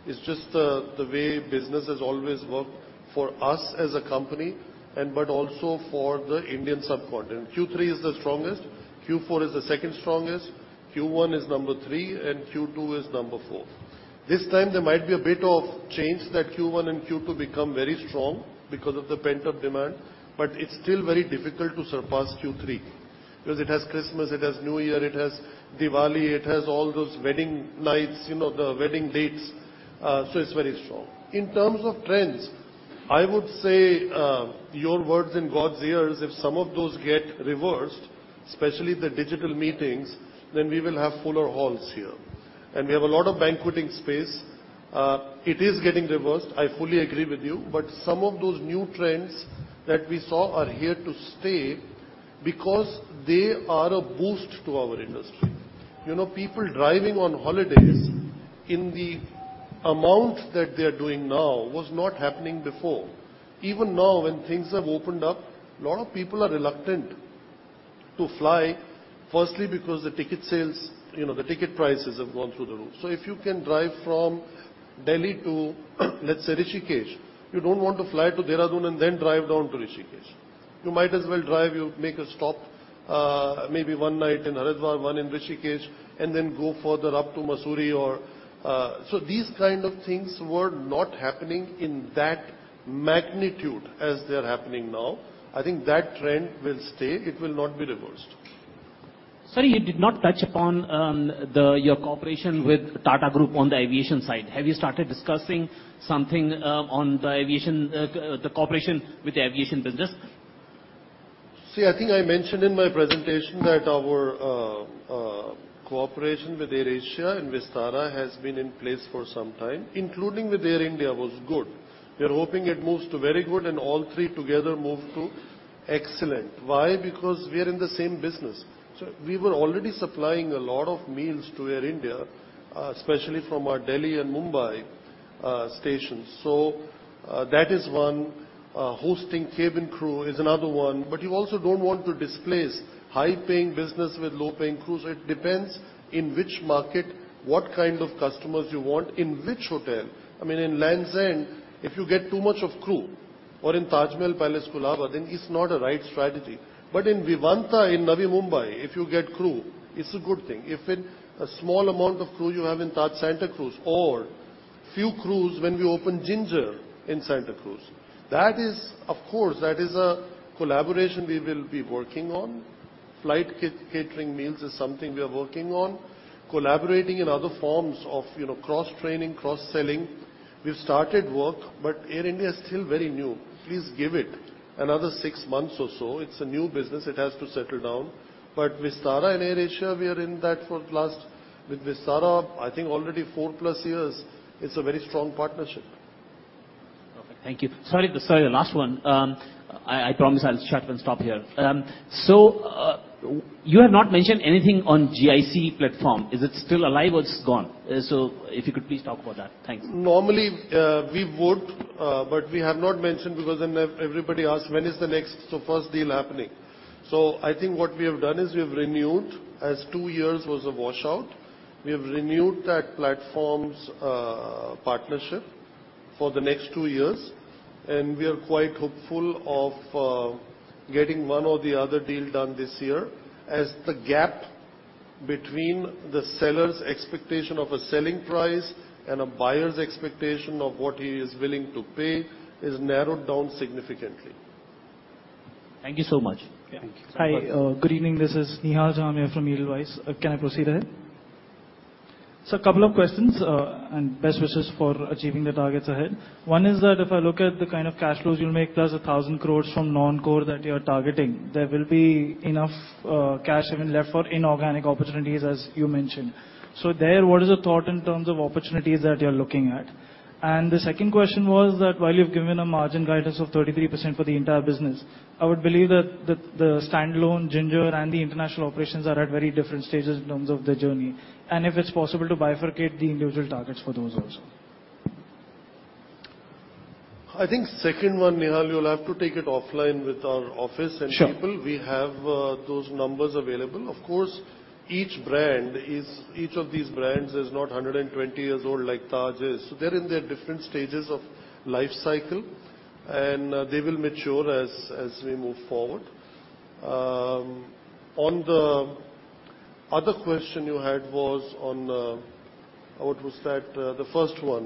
It's just the way business has always worked for us as a company, but also for the Indian subcontinent. Q3 is the strongest. Q4 is the second strongest. Q1 is number three, and Q2 is number four. This time there might be a bit of change that Q1 and Q2 become very strong because of the pent-up demand, but it's still very difficult to surpass Q3 because it has Christmas, it has New Year, it has Diwali, it has all those wedding nights, you know, the wedding dates. It's very strong. In terms of trends, I would say, your words in God's ears, if some of those get reversed, especially the digital meetings, then we will have fuller halls here and we have a lot of banqueting space. It is getting reversed, I fully agree with you, but some of those new trends that we saw are here to stay because they are a boost to our industry. You know, people driving on holidays in the amount that they are doing now was not happening before. Even now, when things have opened up, a lot of people are reluctant to fly. Firstly, because the ticket sales, you know, the ticket prices have gone through the roof. If you can drive from Delhi to, let's say, Rishikesh, you don't want to fly to Dehradun and then drive down to Rishikesh. You might as well drive, you make a stop, maybe one night in Haridwar, one in Rishikesh, and then go further up to Mussoorie or. These kind of things were not happening in that magnitude as they're happening now. I think that trend will stay. It will not be reversed. Sorry, you did not touch upon your cooperation with Tata Group on the aviation side. Have you started discussing something on the aviation, the cooperation with the aviation business? I think I mentioned in my presentation that our cooperation with AirAsia and Vistara has been in place for some time, including with Air India, was good. We are hoping it moves to very good and all three together move to excellent. Why? Because we are in the same business. We were already supplying a lot of meals to Air India, especially from our Delhi and Mumbai stations. That is one. Hosting cabin crew is another one. You also don't want to displace high-paying business with low-paying crews. It depends in which market, what kind of customers you want, in which hotel. I mean, in Lands End, if you get too much of crew or in Taj Mahal Palace, Colaba, then it's not a right strategy. In Vivanta in Navi Mumbai, if you get crew, it's a good thing. If in a small amount of crew you have in Taj Santa Cruz or few crews when we opened Ginger in Santa Cruz. That is, of course, that is a collaboration we will be working on. Flight catering meals is something we are working on. Collaborating in other forms of, you know, cross-training, cross-selling, we've started work, but Air India is still very new. Please give it another six months or so. It's a new business. It has to settle down. Vistara and AirAsia, we are in that for the last with Vistara, I think already 4+ years. It's a very strong partnership. Okay, thank you. Sorry, last one. I promise I'll shut and stop here. You have not mentioned anything on GIC platform. Is it still alive or it's gone? If you could please talk about that. Thanks. Normally, we would, but we have not mentioned because then everybody asks, "When is the next so first deal happening?" I think what we have done is, as two years was a washout, we've renewed that platform's partnership for the next two years, and we are quite hopeful of getting one or the other deal done this year as the gap between the seller's expectation of a selling price and a buyer's expectation of what he is willing to pay has narrowed down significantly. Thank you so much. Yeah. Thank you. Hi. Good evening. This is Nihal Jham from Edelweiss. Can I proceed ahead? Sir, couple of questions, and best wishes for achieving the targets ahead. One is that if I look at the kind of cash flows you'll make, plus 1,000 crore from non-core that you're targeting, there will be enough cash even left for inorganic opportunities, as you mentioned. There, what is your thought in terms of opportunities that you're looking at? And the second question was that while you've given a margin guidance of 33% for the entire business, I would believe that the standalone Ginger and the international operations are at very different stages in terms of their journey. And if it's possible to bifurcate the individual targets for those also. I think second one, Nihal, you'll have to take it offline with our office and people. Sure. We have those numbers available. Of course, each brand is. Each of these brands is not 120 years old like Taj is. They're in their different stages of life cycle, and they will mature as we move forward. On the other question you had was on. What was that? The first one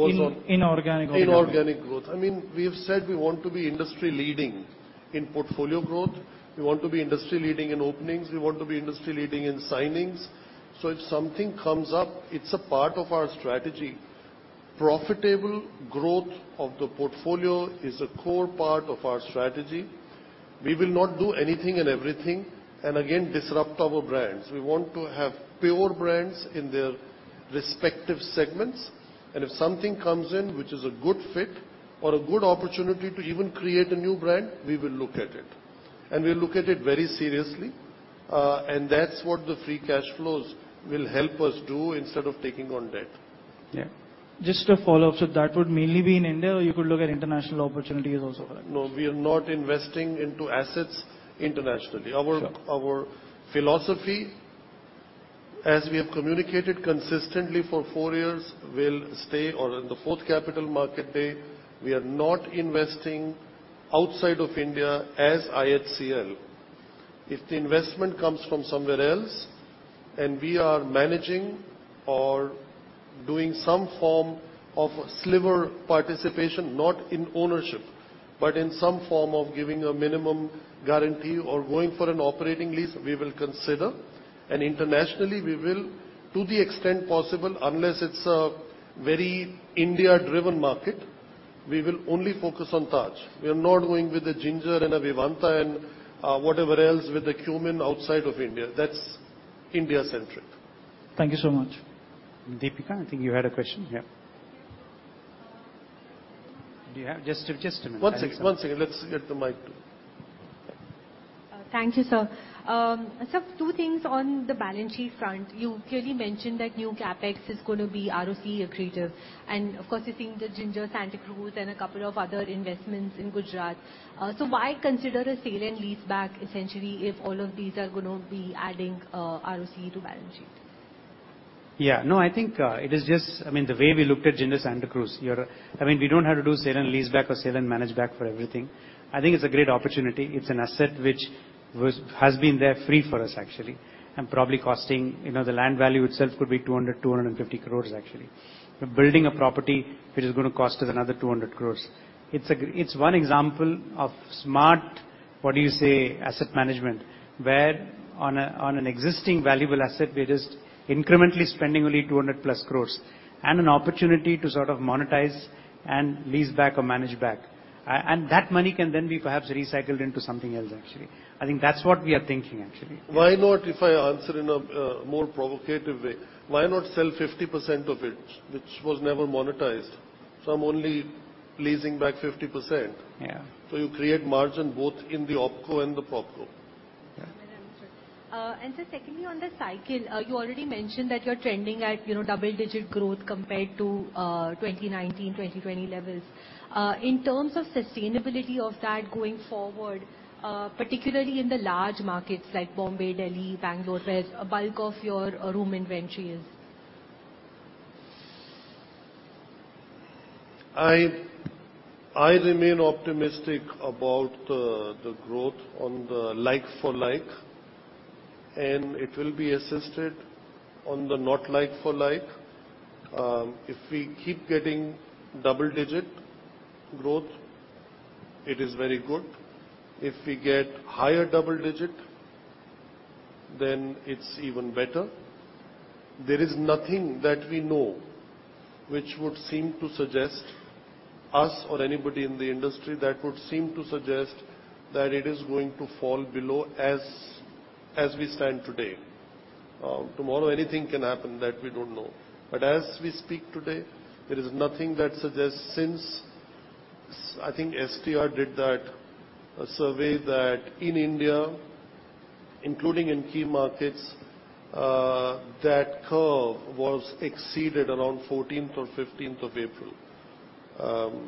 was on- Inorganic growth Inorganic growth. I mean, we have said we want to be industry-leading in portfolio growth. We want to be industry-leading in openings. We want to be industry-leading in signings. If something comes up, it's a part of our strategy. Profitable growth of the portfolio is a core part of our strategy. We will not do anything and everything, and again disrupt our brands. We want to have pure brands in their respective segments, and if something comes in which is a good fit or a good opportunity to even create a new brand, we will look at it, and we'll look at it very seriously. That's what the free cash flows will help us do instead of taking on debt. Yeah. Just a follow-up. That would mainly be in India or you could look at international opportunities also for that? No, we are not investing into assets internationally. Sure. Our philosophy, as we have communicated consistently for four years, or in the fourth capital market day, we are not investing outside of India as IHCL. If the investment comes from somewhere else and we are managing or doing some form of a sliver participation, not in ownership, but in some form of giving a minimum guarantee or going for an operating lease, we will consider. Internationally, we will, to the extent possible, unless it's a very India-driven market, we will only focus on Taj. We are not going with a Ginger and a Vivanta and whatever else, with a Qmin outside of India. That's India-centric. Thank you so much. Deepika, I think you had a question. Yeah. Just a minute. One second. Let's get the mic to. Thank you, sir. Sir, two things on the balance sheet front. You clearly mentioned that new CapEx is gonna be ROCE accretive, and of course, you're seeing the Ginger Santa Cruz and a couple of other investments in Gujarat. Why consider a sale and leaseback essentially if all of these are gonna be adding ROCE to balance sheet? Yeah. No, I think it is just I mean, the way we looked at Ginger Santa Cruz, I mean, we don't have to do sale and leaseback or sale and manage back for everything. I think it's a great opportunity. It's an asset which was, has been there free for us actually, and probably costing, you know, the land value itself could be 250 crore actually. We're building a property which is gonna cost us another 200 crore. It's one example of smart, what do you say, asset management, where on an existing valuable asset, we're just incrementally spending only 200+ crore, and an opportunity to sort of monetize and lease back or manage back. And that money can then be perhaps recycled into something else actually. I think that's what we are thinking actually. Why not, if I answer in a more provocative way, why not sell 50% of it, which was never monetized? I'm only leasing back 50%. Yeah. You create margin both in the OpCo and the PropCo. Yeah. Understood. Sir, secondly, on the cycle, you already mentioned that you're trending at, you know, double-digit growth compared to 2019, 2020 levels. In terms of sustainability of that going forward, particularly in the large markets like Bombay, Delhi, Bangalore, where a bulk of your room inventory is. I remain optimistic about the growth on the like-for-like, and it will be assisted on the not like-for-like. If we keep getting double-digit growth, it is very good. If we get higher double-digit, then it's even better. There is nothing that we know which would seem to suggest us or anybody in the industry that would seem to suggest that it is going to fall below as we stand today. Tomorrow anything can happen. That we don't know. As we speak today, there is nothing that suggests since I think STR did a survey that in India, including in key markets, that curve was exceeded around 14th or 15th of April.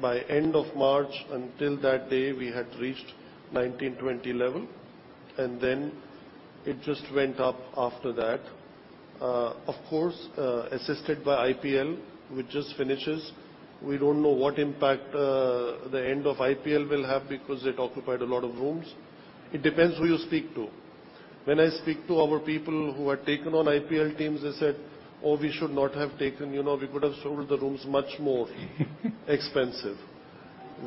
By end of March until that day, we had reached 2019, 2020 level, and then it just went up after that. Of course, assisted by IPL, which just finishes. We don't know what impact the end of IPL will have because it occupied a lot of rooms. It depends who you speak to. When I speak to our people who had taken on IPL teams, they said, "Oh, we should not have taken. You know, we could have sold the rooms much more expensive."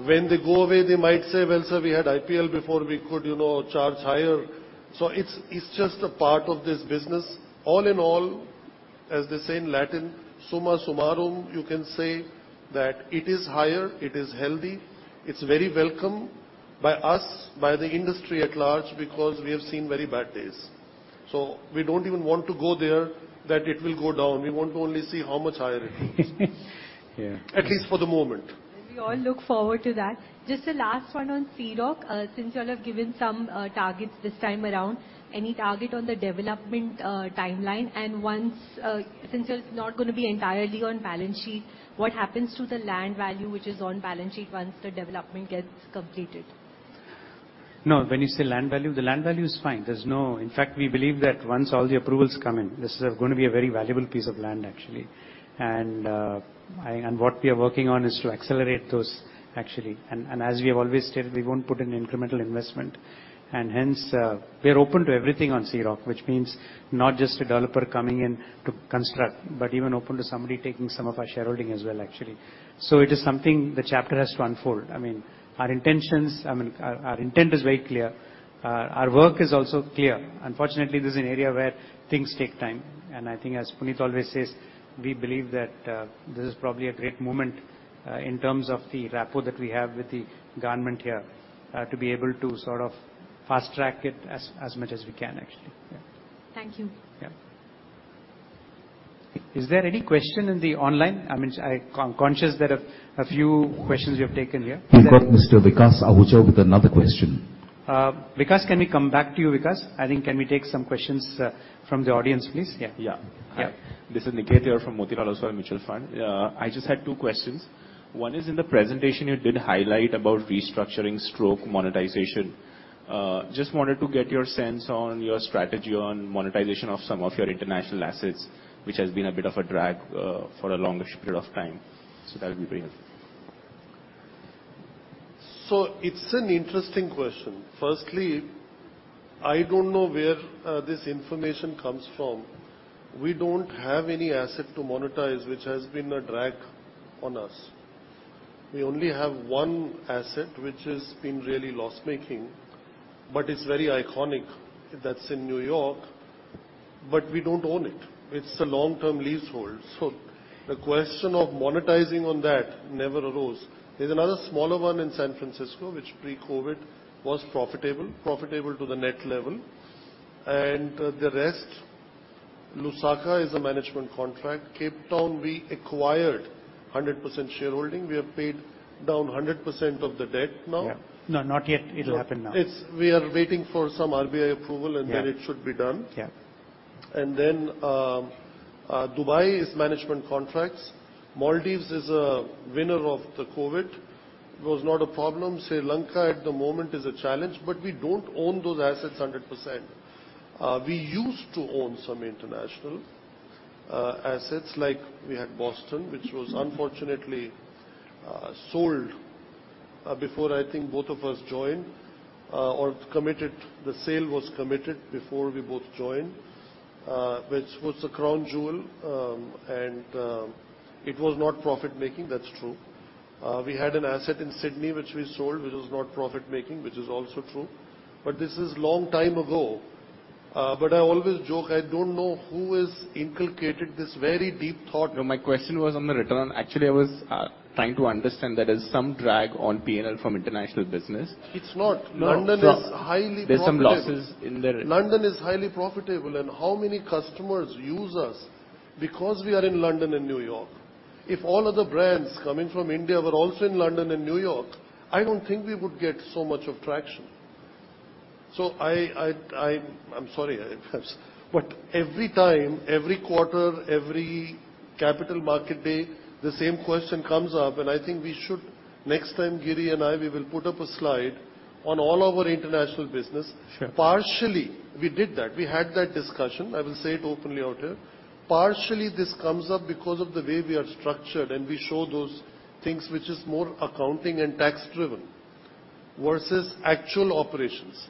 When they go away, they might say, "Well, sir, we had IPL before, we could, you know, charge higher." It's just a part of this business. All in all, as they say in Latin, you can say that it is higher, it is healthy, it's very welcome by us, by the industry at large, because we have seen very bad days. We don't even want to go there that it will go down. We want to only see how much higher it goes. Yeah. At least for the moment. We all look forward to that. Just a last one on Sea Rock, since y'all have given some targets this time around. Any target on the development timeline? Once, since it's not gonna be entirely on balance sheet, what happens to the land value which is on balance sheet once the development gets completed? No, when you say land value, the land value is fine. In fact, we believe that once all the approvals come in, this is gonna be a very valuable piece of land, actually. What we are working on is to accelerate those actually. As we have always stated, we won't put an incremental investment. Hence, we are open to everything on Sea Rock, which means not just a developer coming in to construct, but even open to somebody taking some of our shareholding as well, actually. It is something the chapter has to unfold. I mean, our intentions. I mean, our intent is very clear. Our work is also clear. Unfortunately, this is an area where things take time, and I think as Puneet always says, we believe that this is probably a great moment in terms of the rapport that we have with the government here to be able to sort of fast track it as much as we can actually. Yeah. Thank you. Yeah. Is there any question online? I mean, I'm conscious there are a few questions we have taken here. We've got Mr. Vikas Ahuja with another question. Vikas, can we come back to you, Vikas? I think, can we take some questions from the audience, please? Yeah. Yeah. Yeah. Hi. This is Niket here from Motilal Oswal Mutual Fund. I just had two questions. One is, in the presentation you did highlight about restructuring slash monetization. Just wanted to get your sense on your strategy on monetization of some of your international assets, which has been a bit of a drag, for a long-ish period of time. That would be very helpful. It's an interesting question. Firstly, I don't know where this information comes from. We don't have any asset to monetize, which has been a drag on us. We only have one asset which has been really loss-making, but it's very iconic. That's in New York. We don't own it. It's a long-term leasehold. The question of monetizing on that never arose. There's another smaller one in San Francisco, which pre-COVID was profitable to the net level. The rest, Lusaka is a management contract. Cape Town, we acquired 100% shareholding. We have paid down 100% of the debt now. Yeah. No, not yet. It'll happen now. We are waiting for some RBI approval. Yeah It should be done. Yeah. Dubai is management contracts. Maldives is a winner of the COVID. It was not a problem. Sri Lanka at the moment is a challenge, but we don't own those assets 100%. We used to own some international assets, like we had Boston, which was unfortunately sold before I think both of us joined. Or committed, the sale was committed before we both joined. Which was the crown jewel. It was not profit making. That's true. We had an asset in Sydney which we sold, which was not profit making, which is also true, but this is long time ago. I always joke, I don't know who has inculcated this very deep thought. No, my question was on the return. Actually, I was trying to understand there is some drag on P&L from international business. It's not. No. London is highly profitable. There's some losses in the. London is highly profitable. How many customers use us because we are in London and New York? If all of the brands coming from India were also in London and New York, I don't think we would get so much attraction. I'm sorry, but every time, every quarter, every capital market day, the same question comes up, and I think we should. Next time, Giri and I, we will put up a slide on all our international business. Sure. Partially, we did that. We had that discussion. I will say it openly out here. Partially, this comes up because of the way we are structured, and we show those things which is more accounting and tax driven versus actual operations.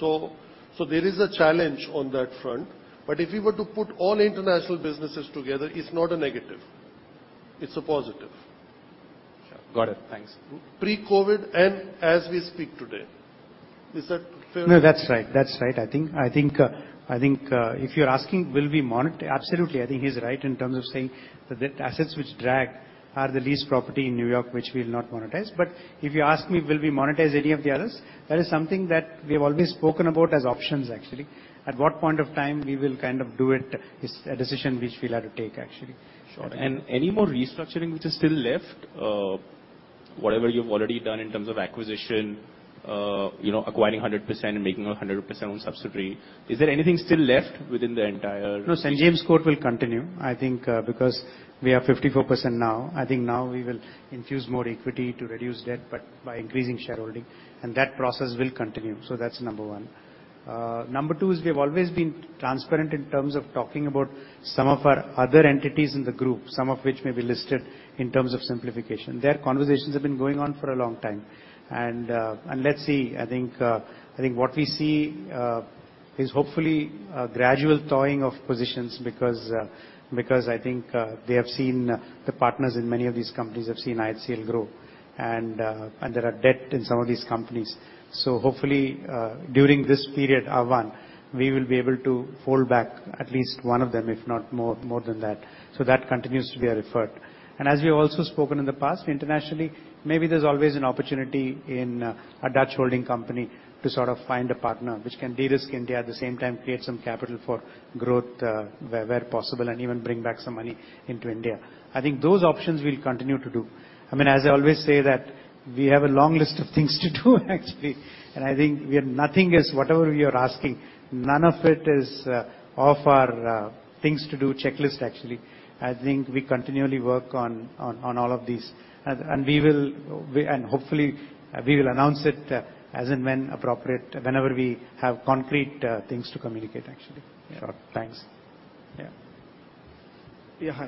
There is a challenge on that front. If we were to put all international businesses together, it's not a negative, it's a positive. Sure. Got it. Thanks. Pre-COVID and as we speak today. Is that fair? No, that's right. I think if you're asking, will we monetize? Absolutely. I think he's right in terms of saying the assets which drag are the leased property in New York, which we'll not monetize. If you ask me, will we monetize any of the others? That is something that we have always spoken about as options, actually. At what point of time we will kind of do it is a decision which we'll have to take, actually. Sure. Any more restructuring which is still left, whatever you've already done in terms of acquisition, you know, acquiring 100% and making a 100% subsidiary, is there anything still left within the entire? No, St. James Court will continue, I think, because we are 54% now, I think now we will infuse more equity to reduce debt, but by increasing shareholding, and that process will continue. So that's number one. Number two is we have always been transparent in terms of talking about some of our other entities in the group, some of which may be listed in terms of simplification. Their conversations have been going on for a long time. Let's see. I think what we see is hopefully a gradual thawing of positions because I think they have seen the partners in many of these companies IHCL grow. There are debt in some of these companies. Hopefully, during this period, Ahvaan, we will be able to fold back at least one of them, if not more, more than that. That continues to be our effort. As we have also spoken in the past, internationally, maybe there's always an opportunity in a Dutch holding company to sort of find a partner which can de-risk India, at the same time create some capital for growth, where possible, and even bring back some money into India. I think those options we'll continue to do. I mean, as I always say that we have a long list of things to do actually, and I think we have nothing against whatever you're asking, none of it is off our things to do checklist, actually. I think we continually work on all of these. Hopefully we will announce it as and when appropriate, whenever we have concrete things to communicate, actually. Sure. Thanks. Yeah. Hi,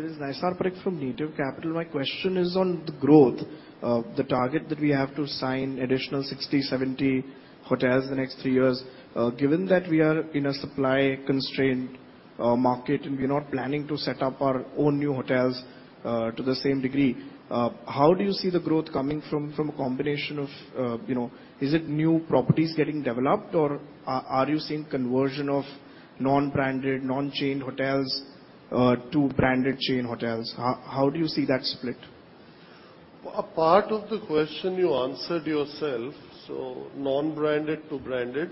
this is Nishal Parekh from Native Capital. My question is on the growth of the Taj that we have to sign additional 60 to 70 hotels in the next three years. Given that we are in a supply constrained market, and we're not planning to set up our own new hotels to the same degree, how do you see the growth coming from a combination of, you know, is it new properties getting developed or are you seeing conversion of non-branded, non-chained hotels to branded chain hotels? How do you see that split? A part of the question you answered yourself, so non-branded to branded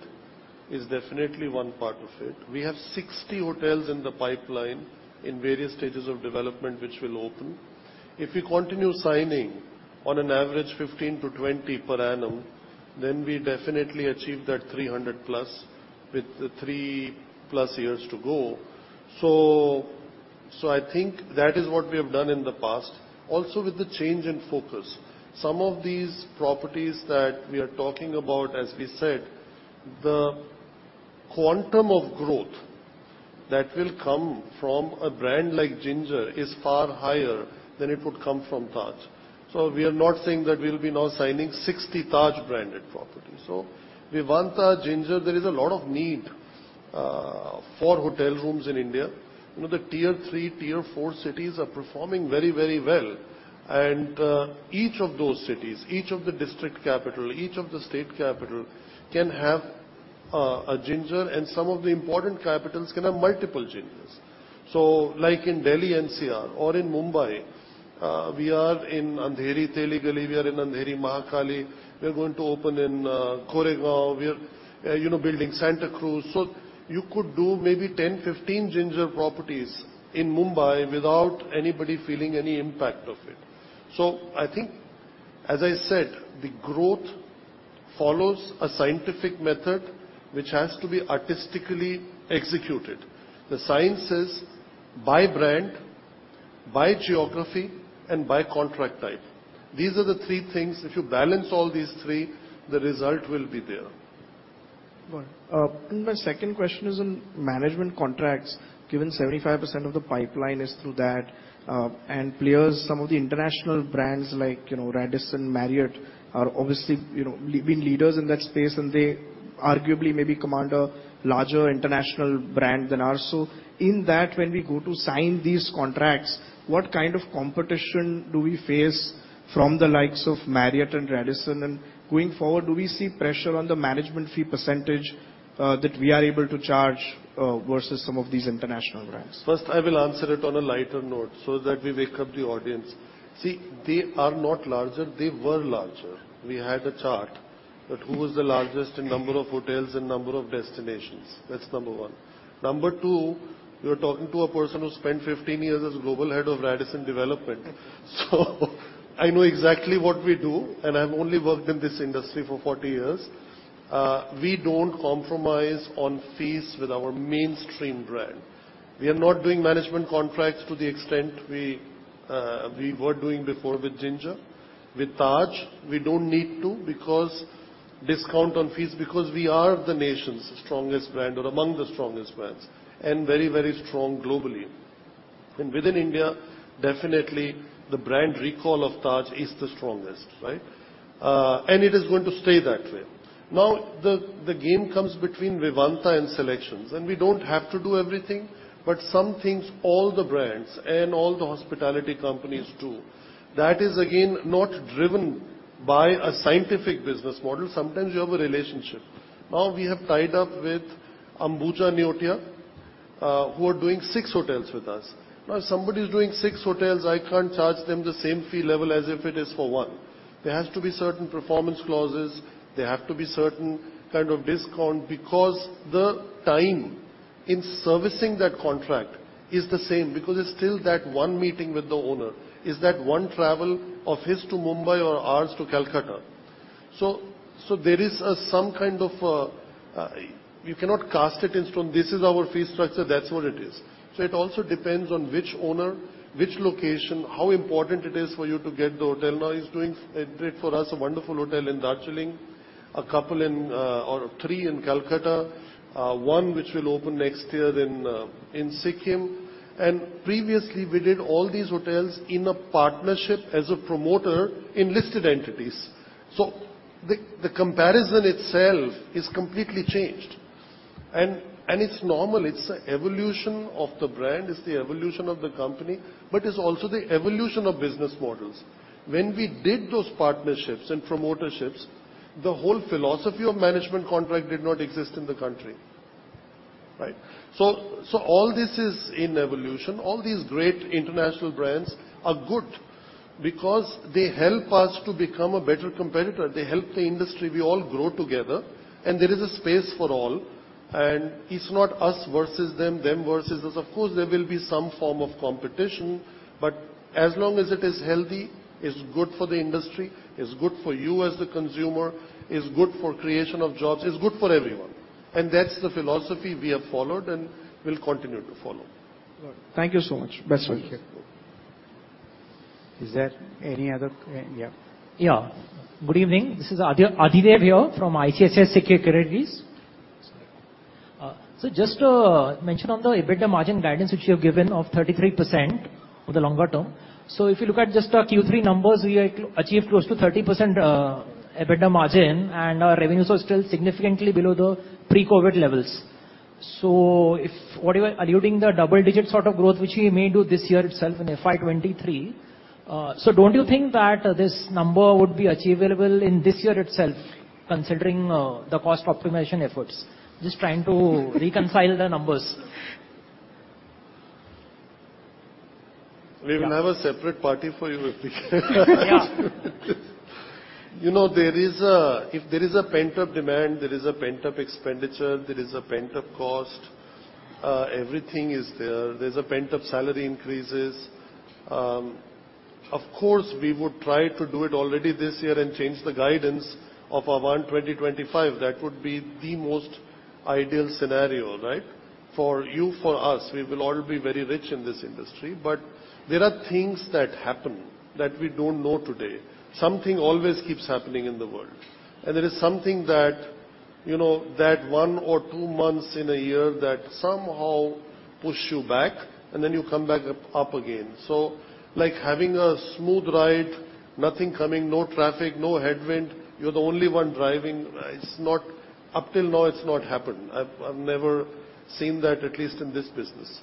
is definitely one part of it. We have 60 hotels in the pipeline in various stages of development, which will open. If we continue signing on an average 15 to 20 per annum, then we definitely achieve that 300+ with the 3+ years to go. I think that is what we have done in the past. Also with the change in focus, some of these properties that we are talking about, as we said, the quantum of growth that will come from a brand like Ginger is far higher than it would come from Taj. We are not saying that we'll be now signing 60 Taj branded properties. Vivanta, Ginger, there is a lot of need for hotel rooms in India. You know, the tier three, tier four cities are performing very, very well. Each of those cities, each of the district capital, each of the state capital can have, a Ginger and some of the important capitals can have multiple Gingers. Like in Delhi NCR or in Mumbai, we are in Andheri, Sakinaka, we are in Andheri Mahakali. We are going to open in, Goregaon. We are, you know, building Santa Cruz. You could do maybe 10, 15 Ginger properties in Mumbai without anybody feeling any impact of it. I think as I said, the growth follows a scientific method which has to be artistically executed. The science says by brand, by geography, and by contract type. These are the three things. If you balance all these three, the result will be there. Got it. And my second question is on management contracts, given 75% of the pipeline is through that, and players, some of the international brands like, you know, Radisson, Marriott are obviously, you know, being leaders in that space, and they arguably maybe command a larger international brand than our. In that, when we go to sign these contracts, what kind of competition do we face from the likes of Marriott and Radisson? Going forward, do we see pressure on the management fee percentage that we are able to charge versus some of these international brands? First, I will answer it on a lighter note so that we wake up the audience. See, they are not larger. They were larger. We had a chart that who was the largest in number of hotels and number of destinations. That's number one. Number two, you're talking to a person who spent 15 years as Global Head of Radisson Development. So I know exactly what we do, and I've only worked in this industry for 40 years. We don't compromise on fees with our mainstream brand. We are not doing management contracts to the extent we were doing before with Ginger. With Taj, we don't need to because discount on fees, because we are the nation's strongest brand or among the strongest brands, and very, very strong globally. Within India, definitely the brand recall of Taj is the strongest, right? It is going to stay that way. Now, the game comes between Vivanta and SeleQtions, and we don't have to do everything, but some things all the brands and all the hospitality companies do. That is again not driven by a scientific business model. Sometimes you have a relationship. Now we have tied up with Ambuja Neotia, who are doing six hotels with us. Now, if somebody is doing six hotels, I can't charge them the same fee level as if it is for one. There has to be certain performance clauses. There have to be certain kind of discount because the time in servicing that contract is the same, because it is still that one meeting with the owner. It is that one travel of his to Mumbai or ours to Calcutta. There is some kind of. You cannot cast it in stone, this is our fee structure, that's what it is. It also depends on which owner, which location, how important it is for you to get the hotel. Now he's doing great for us, a wonderful hotel in Darjeeling, a couple in, or three in Calcutta, one which will open next year in Sikkim. Previously we did all these hotels in a partnership as a promoter in listed entities. The comparison itself is completely changed. It's normal. It's the evolution of the brand, it's the evolution of the company, but it's also the evolution of business models. When we did those partnerships and promotorships, the whole philosophy of management contract did not exist in the country, right? All this is in evolution. All these great international brands are good because they help us to become a better competitor. They help the industry. We all grow together and there is a space for all, and it's not us versus them versus us. Of course, there will be some form of competition, but as long as it is healthy, it's good for the industry, it's good for you as the consumer, it's good for creation of jobs, it's good for everyone. That's the philosophy we have followed and will continue to follow. Right. Thank you so much. Best wishes. Thank you. Is there any other? Yeah. Yeah. Good evening. This is Adhidev here from ICICI Securities. Just to mention on the EBITDA margin guidance which you have given of 33% for the longer term. If you look at just our Q3 numbers, we achieved close to 30%, EBITDA margin, and our revenues are still significantly below the pre-COVID levels. What you were alluding, the double-digit sort of growth which we may do this year itself in FY 2023. Don't you think that this number would be achievable in this year itself, considering the cost optimization efforts? Just trying to reconcile the numbers. We will have a separate party for you if we can. Yeah. You know, there is a If there is a pent-up demand, there is a pent-up expenditure, there is a pent-up cost, everything is there. There's a pent-up salary increases. Of course, we would try to do it already this year and change the guidance of our 2025. That would be the most ideal scenario, right? For you, for us. We will all be very rich in this industry. There are things that happen that we don't know today. Something always keeps happening in the world. There is something that, you know, that one or two months in a year that somehow push you back and then you come back up again. Like having a smooth ride, nothing coming, no traffic, no headwind. You're the only one driving. Up till now, it's not happened. I've never seen that, at least in this business.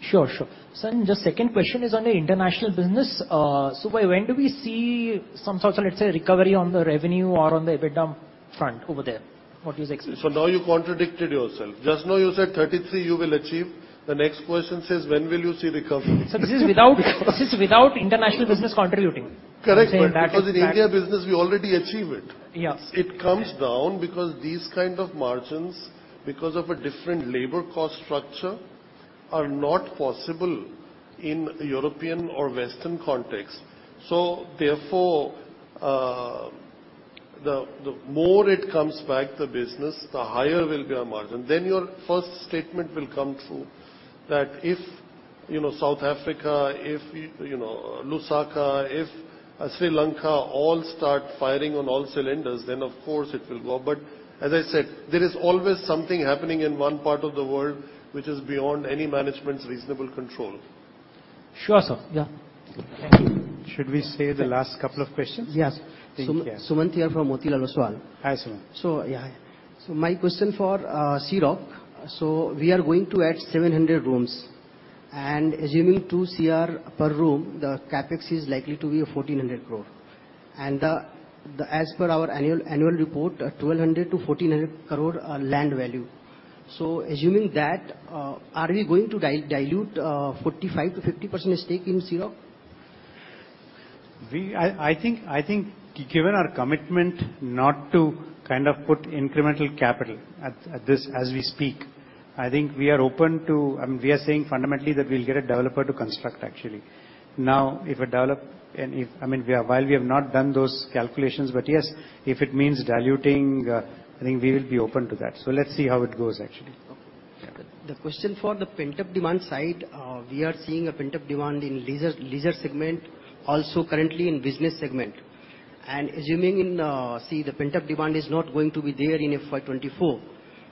Sure, sure. Sir, just second question is on the international business. By when do we see some sort of, let's say, recovery on the revenue or on the EBITDA front over there? What is expected? Now you contradicted yourself. Just now you said 33 you will achieve. The next question says, "When will you see recovery? Sir, this is without international business contributing. Correct. I'm saying that. Because in India business we already achieve it. Yes. It comes down because these kind of margins, because of a different labor cost structure, are not possible in European or Western context. Therefore, the more it comes back the business, the higher will be our margin. Your first statement will come true that if, you know, South Africa, if, you know, Lusaka, if Sri Lanka all start firing on all cylinders, then of course it will go. As I said, there is always something happening in one part of the world which is beyond any management's reasonable control. Sure, sir. Yeah. Thank you. Should we say the last couple of questions? Yes. Thank you. Yeah. Sumant here from Motilal Oswal. Hi, Sumant. My question for Sea Rock. We are going to add 700 rooms, and assuming 2 crore per room, the CapEx is likely to be 1,400 crore. As per our annual report, 1,200 to 1,400 crore are land value. Assuming that, are we going to dilute 45% to 50% stake in Sea Rock? I think, given our commitment not to kind of put incremental capital at this as we speak, I think we are open to, we are saying fundamentally that we'll get a developer to construct actually. While we have not done those calculations, but yes, if it means diluting, I think we will be open to that. Let's see how it goes, actually. Okay. Yeah. The question for the pent-up demand side, we are seeing a pent-up demand in leisure segment, also currently in business segment. Assuming in, see the pent-up demand is not going to be there in FY 2024,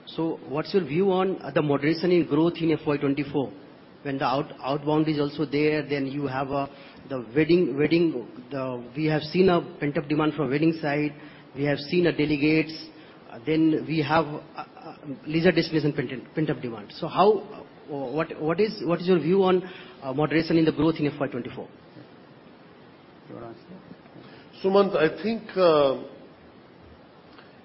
so what's your view on the moderation in growth in FY 2024 when the outbound is also there, then you have a, the wedding, the. We have seen a pent-up demand from wedding side, we have seen at delegates, then we have, leisure displays and pent-up demand. What is your view on moderation in the growth in FY 2024? You wanna answer? Sumant, I think,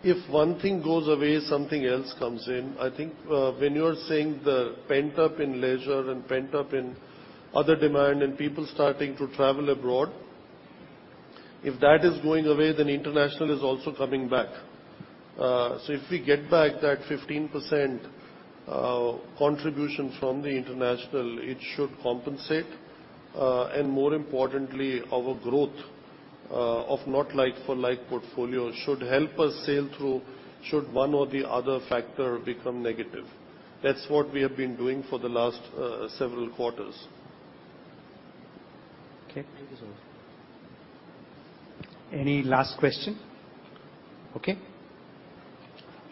if one thing goes away, something else comes in. I think, when you are saying the pent-up in leisure and pent-up in other demand and people starting to travel abroad, if that is going away, then international is also coming back. If we get back that 15%, contribution from the international, it should compensate, and more importantly, our growth, of not like-for-like portfolio should help us sail through should one or the other factor become negative. That's what we have been doing for the last, several quarters. Okay. Thank you, Sumant. Any last question?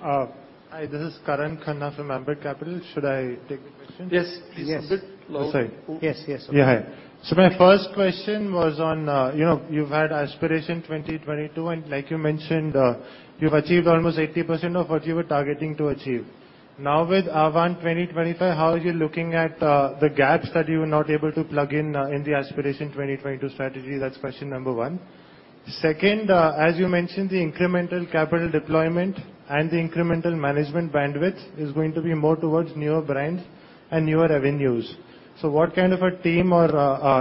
Okay. Hi, this is Karan Khanna from Ambit Capital. Should I take the question? Yes, please. Yes. A bit loud. Sorry. Yes. Yes. My first question was on, you know, you've had Aspiration 2022, and like you mentioned, you've achieved almost 80% of what you were targeting to achieve. Now, with Ahvaan 2025, how are you looking at the gaps that you were not able to plug in the Aspiration 2022 strategy. That's question number one. Second, as you mentioned, the incremental capital deployment and the incremental management bandwidth is going to be more towards newer brands and newer revenues. What kind of a team or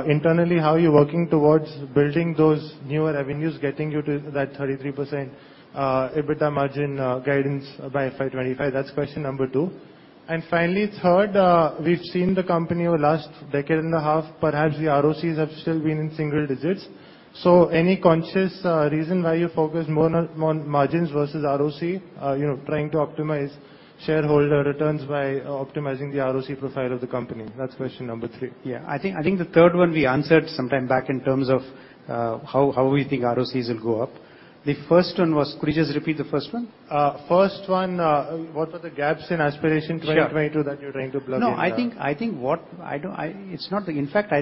internally, how are you working towards building those newer revenues, getting you to that 33% EBITDA margin guidance by FY 2025. That's question number two. Finally, third, we've seen the company over last decade and a half, perhaps the ROCs have still been in single digits. Any conscious reason why you focus more on margins versus ROC, you know, trying to optimize shareholder returns by optimizing the ROC profile of the company? That's question number three. Yeah. I think the third one we answered some time back in terms of how we think ROCs will go up. The first one was. Could you just repeat the first one? First one, what were the gaps in Aspiration 2022? Sure That you're trying to plug in? No, I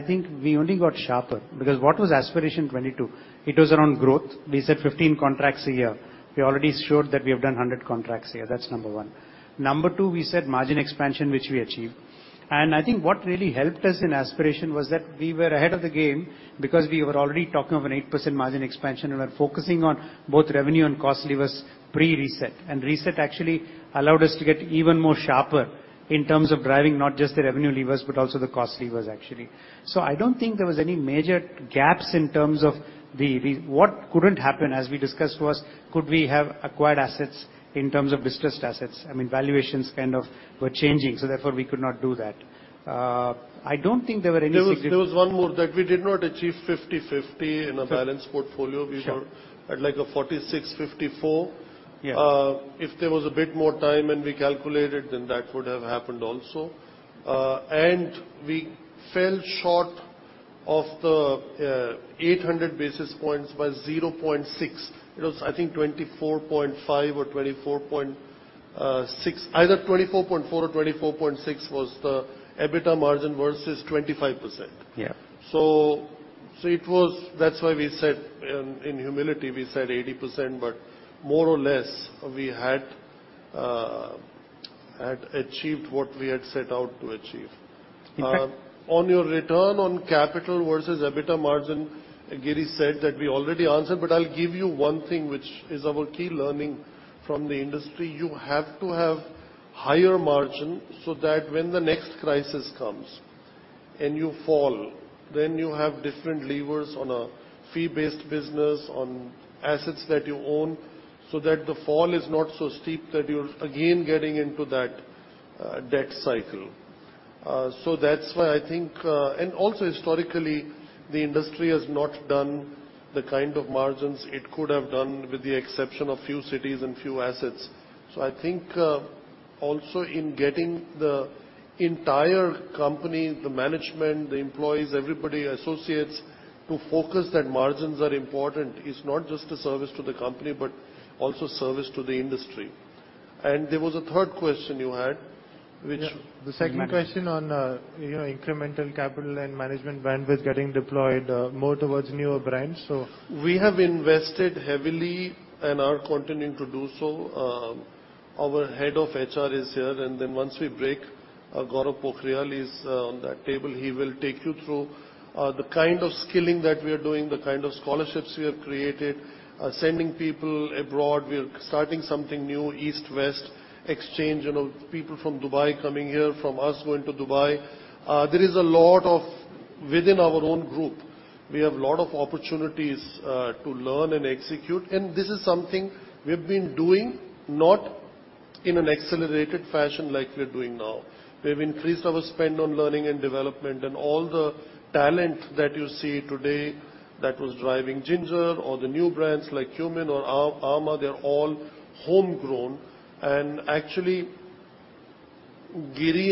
think we only got sharper because what was Aspiration 2022? It was around growth. We said 15 contracts a year. We already showed that we have done 100 contracts a year. That's number one. Number two, we said margin expansion, which we achieved. I think what really helped us in Aspiration 2022 was that we were ahead of the game because we were already talking of an 8% margin expansion. We were focusing on both revenue and cost levers pre-reset. Reset actually allowed us to get even more sharper in terms of driving not just the revenue levers but also the cost levers actually. I don't think there was any major gaps in terms of the. What couldn't happen, as we discussed, was could we have acquired assets in terms of distressed assets? I mean, valuations kind of were changing, so therefore we could not do that. I don't think there were any significant There was one more that we did not achieve 50/50 in a balanced portfolio. Sure. We were at like a 46, 54. Yeah. If there was a bit more time and we calculated, then that would have happened also. We fell short of the 800 basis points by 0.6. It was, I think, 24.5 or 24.6. Either 24.4 or 24.6 was the EBITDA margin versus 25%. Yeah. It was. That's why we said, in humility, we said 80%. More or less, we had achieved what we had set out to achieve. Okay. On your return on capital versus EBITDA margin, Giri said that we already answered, but I'll give you one thing which is our key learning from the industry. You have to have higher margin so that when the next crisis comes and you fall, then you have different levers on a fee-based business, on assets that you own, so that the fall is not so steep that you're again getting into that, debt cycle. That's why I think. Also historically, the industry has not done the kind of margins it could have done with the exception of few cities and few assets. I think, also in getting the entire company, the management, the employees, everybody, associates to focus that margins are important is not just a service to the company but also service to the industry. There was a third question you had which. Yeah. The second question on, you know, incremental capital and management bandwidth getting deployed, more towards newer brands, so. We have invested heavily and are continuing to do so. Our head of HR is here, and then once we break, Gaurav Pokhariyal is on that table. He will take you through the kind of skilling that we are doing, the kind of scholarships we have created, sending people abroad. We are starting something new, East-West exchange. You know, people from Dubai coming here, from us going to Dubai. There is a lot of within our own group, we have a lot of opportunities to learn and execute, and this is something we've been doing not in an accelerated fashion like we're doing now. We've increased our spend on learning and development, and all the talent that you see today that was driving Ginger or the new brands like Qmin or amã, they're all homegrown. Giri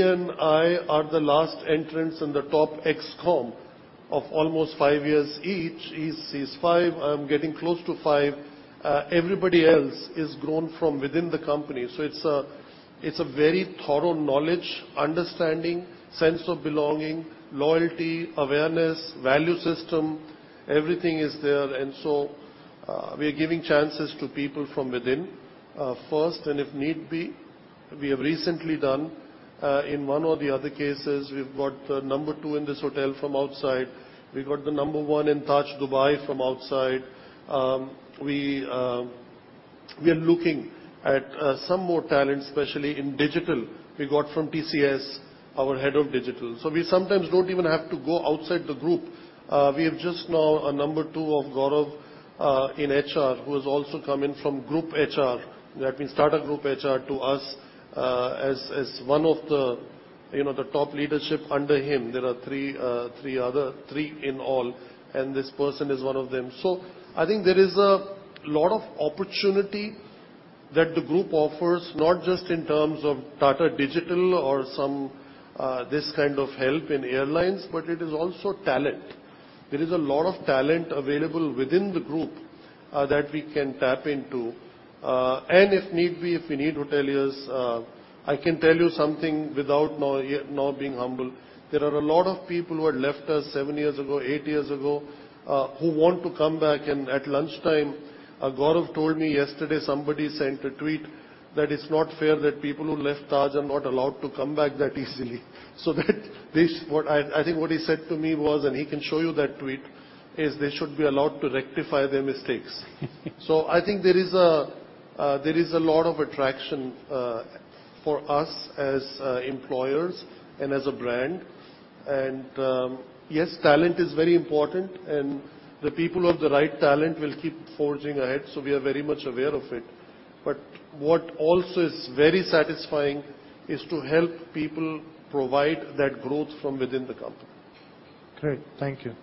and I are the last entrants in the top ExCom of almost five years each. He's five. I'm getting close to five. Everybody else has grown from within the company, so it's a very thorough knowledge, understanding, sense of belonging, loyalty, awareness, value system, everything is there. We are giving chances to people from within first, and if need be, we have recently done in one or the other cases, we've got the number two in this hotel from outside. We got the number one in Taj Dubai from outside. We are looking at some more talent, especially in digital. We got from TCS our head of digital. We sometimes don't even have to go outside the group. We have just now No. two of Gaurav in HR, who has also come in from Group HR. That means startup Group HR to us as one of the, you know, the top leadership. Under him, there are three in all, and this person is one of them. I think there is a lot of opportunity that the group offers, not just in terms of Tata Digital or some this kind of help in airlines, but it is also talent. There is a lot of talent available within the group that we can tap into. If need be, if we need hoteliers, I can tell you something without knowing, being humble. There are a lot of people who had left us seven years ago, eight years ago, who want to come back. At lunchtime, Gaurav told me yesterday somebody sent a tweet that it's not fair that people who left Taj are not allowed to come back that easily. I think what he said to me was, and he can show you that tweet, is they should be allowed to rectify their mistakes. I think there is a lot of attraction for us as employers and as a brand. Yes, talent is very important, and the people of the right talent will keep forging ahead, so we are very much aware of it. What also is very satisfying is to help people provide that growth from within the company. Great. Thank you.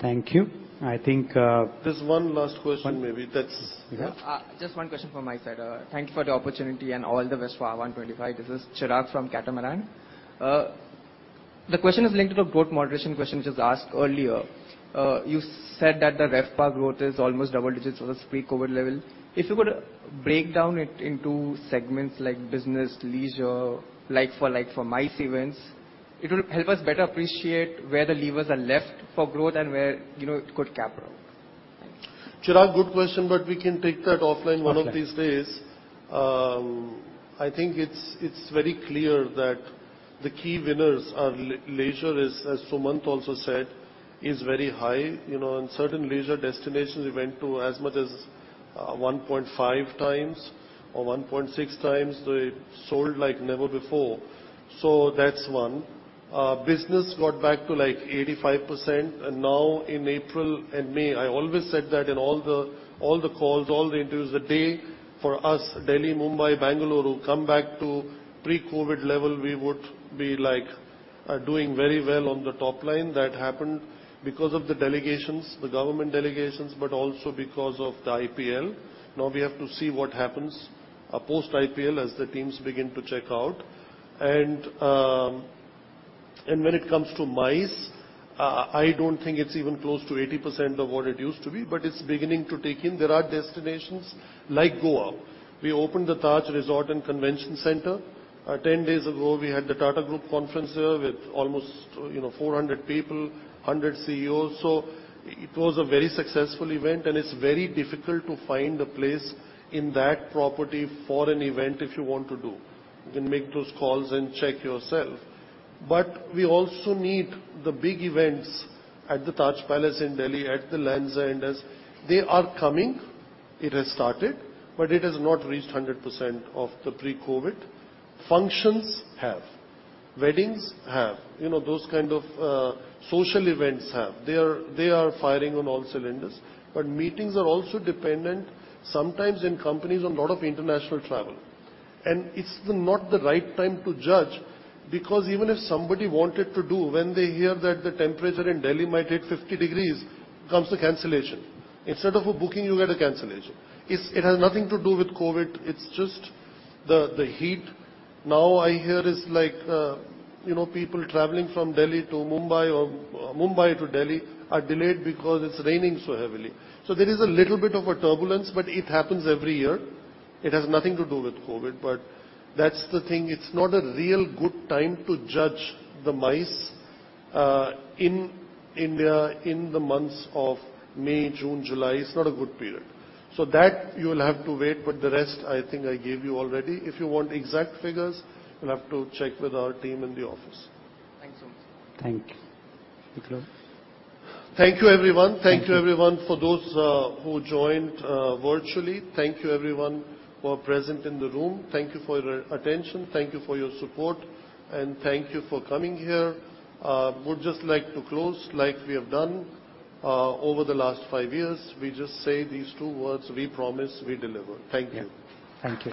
Thank you. I think, There's one last question, maybe that's. Yeah. Just one question from my side. Thank you for the opportunity and all the best for our 125. This is Chirag from Catamaran. The question is linked to the growth moderation question just asked earlier. You said that the RevPAR growth is almost double digits of the pre-COVID level. If you were to break down it into segments like business, leisure, like for like for MICE events, it will help us better appreciate where the levers are left for growth and where, you know, it could cap out. Thank you. Chirag, good question, but we can take that offline one of these days. Okay. I think it's very clear that the key winners are leisure, as Somnath also said, is very high. You know, in certain leisure destinations we went to as much as 1.5 times or 1.6 times. They sold like never before. So that's one. Business got back to like 85%. Now in April and May, I always said that in all the calls, all the interviews, the day for us Delhi, Mumbai, Bengaluru come back to pre-COVID level, we would be like doing very well on the top line. That happened because of the delegations, the government delegations, but also because of the IPL. Now we have to see what happens post IPL as the teams begin to check out. When it comes to MICE, I don't think it's even close to 80% of what it used to be, but it's beginning to take in. There are destinations like Goa. We opened the Taj Resort and Convention Center. 10 days ago, we had the Tata Group conference there with almost, you know, 400 people, 100 CEOs. It was a very successful event, and it's very difficult to find a place in that property for an event if you want to do. You can make those calls and check yourself. We also need the big events at the Taj Palace in Delhi, at the Leela. As they are coming, it has started, but it has not reached 100% of the pre-COVID. Functions have. Weddings have. You know, those kind of social events have. They are firing on all cylinders. Meetings are also dependent sometimes in companies on lot of international travel. It's not the right time to judge because even if somebody wanted to do, when they hear that the temperature in Delhi might hit 50 degrees, comes the cancellation. Instead of a booking, you get a cancellation. It has nothing to do with COVID. It's just the heat. Now I hear it's like, you know, people traveling from Delhi to Mumbai or Mumbai to Delhi are delayed because it's raining so heavily. There is a little bit of a turbulence, but it happens every year. It has nothing to do with COVID, but that's the thing. It's not a real good time to judge the MICE in India in the months of May, June, July. It's not a good period. That you'll have to wait, but the rest I think I gave you already. If you want exact figures, you'll have to check with our team in the office. Thanks so much. Thank you. Thank you, everyone. Thank you, everyone for those who joined virtually. Thank you, everyone who are present in the room. Thank you for your attention. Thank you for your support. Thank you for coming here. Would just like to close like we have done over the last five years. We just say these two words, we promise, we deliver. Thank you. Yeah. Thank you.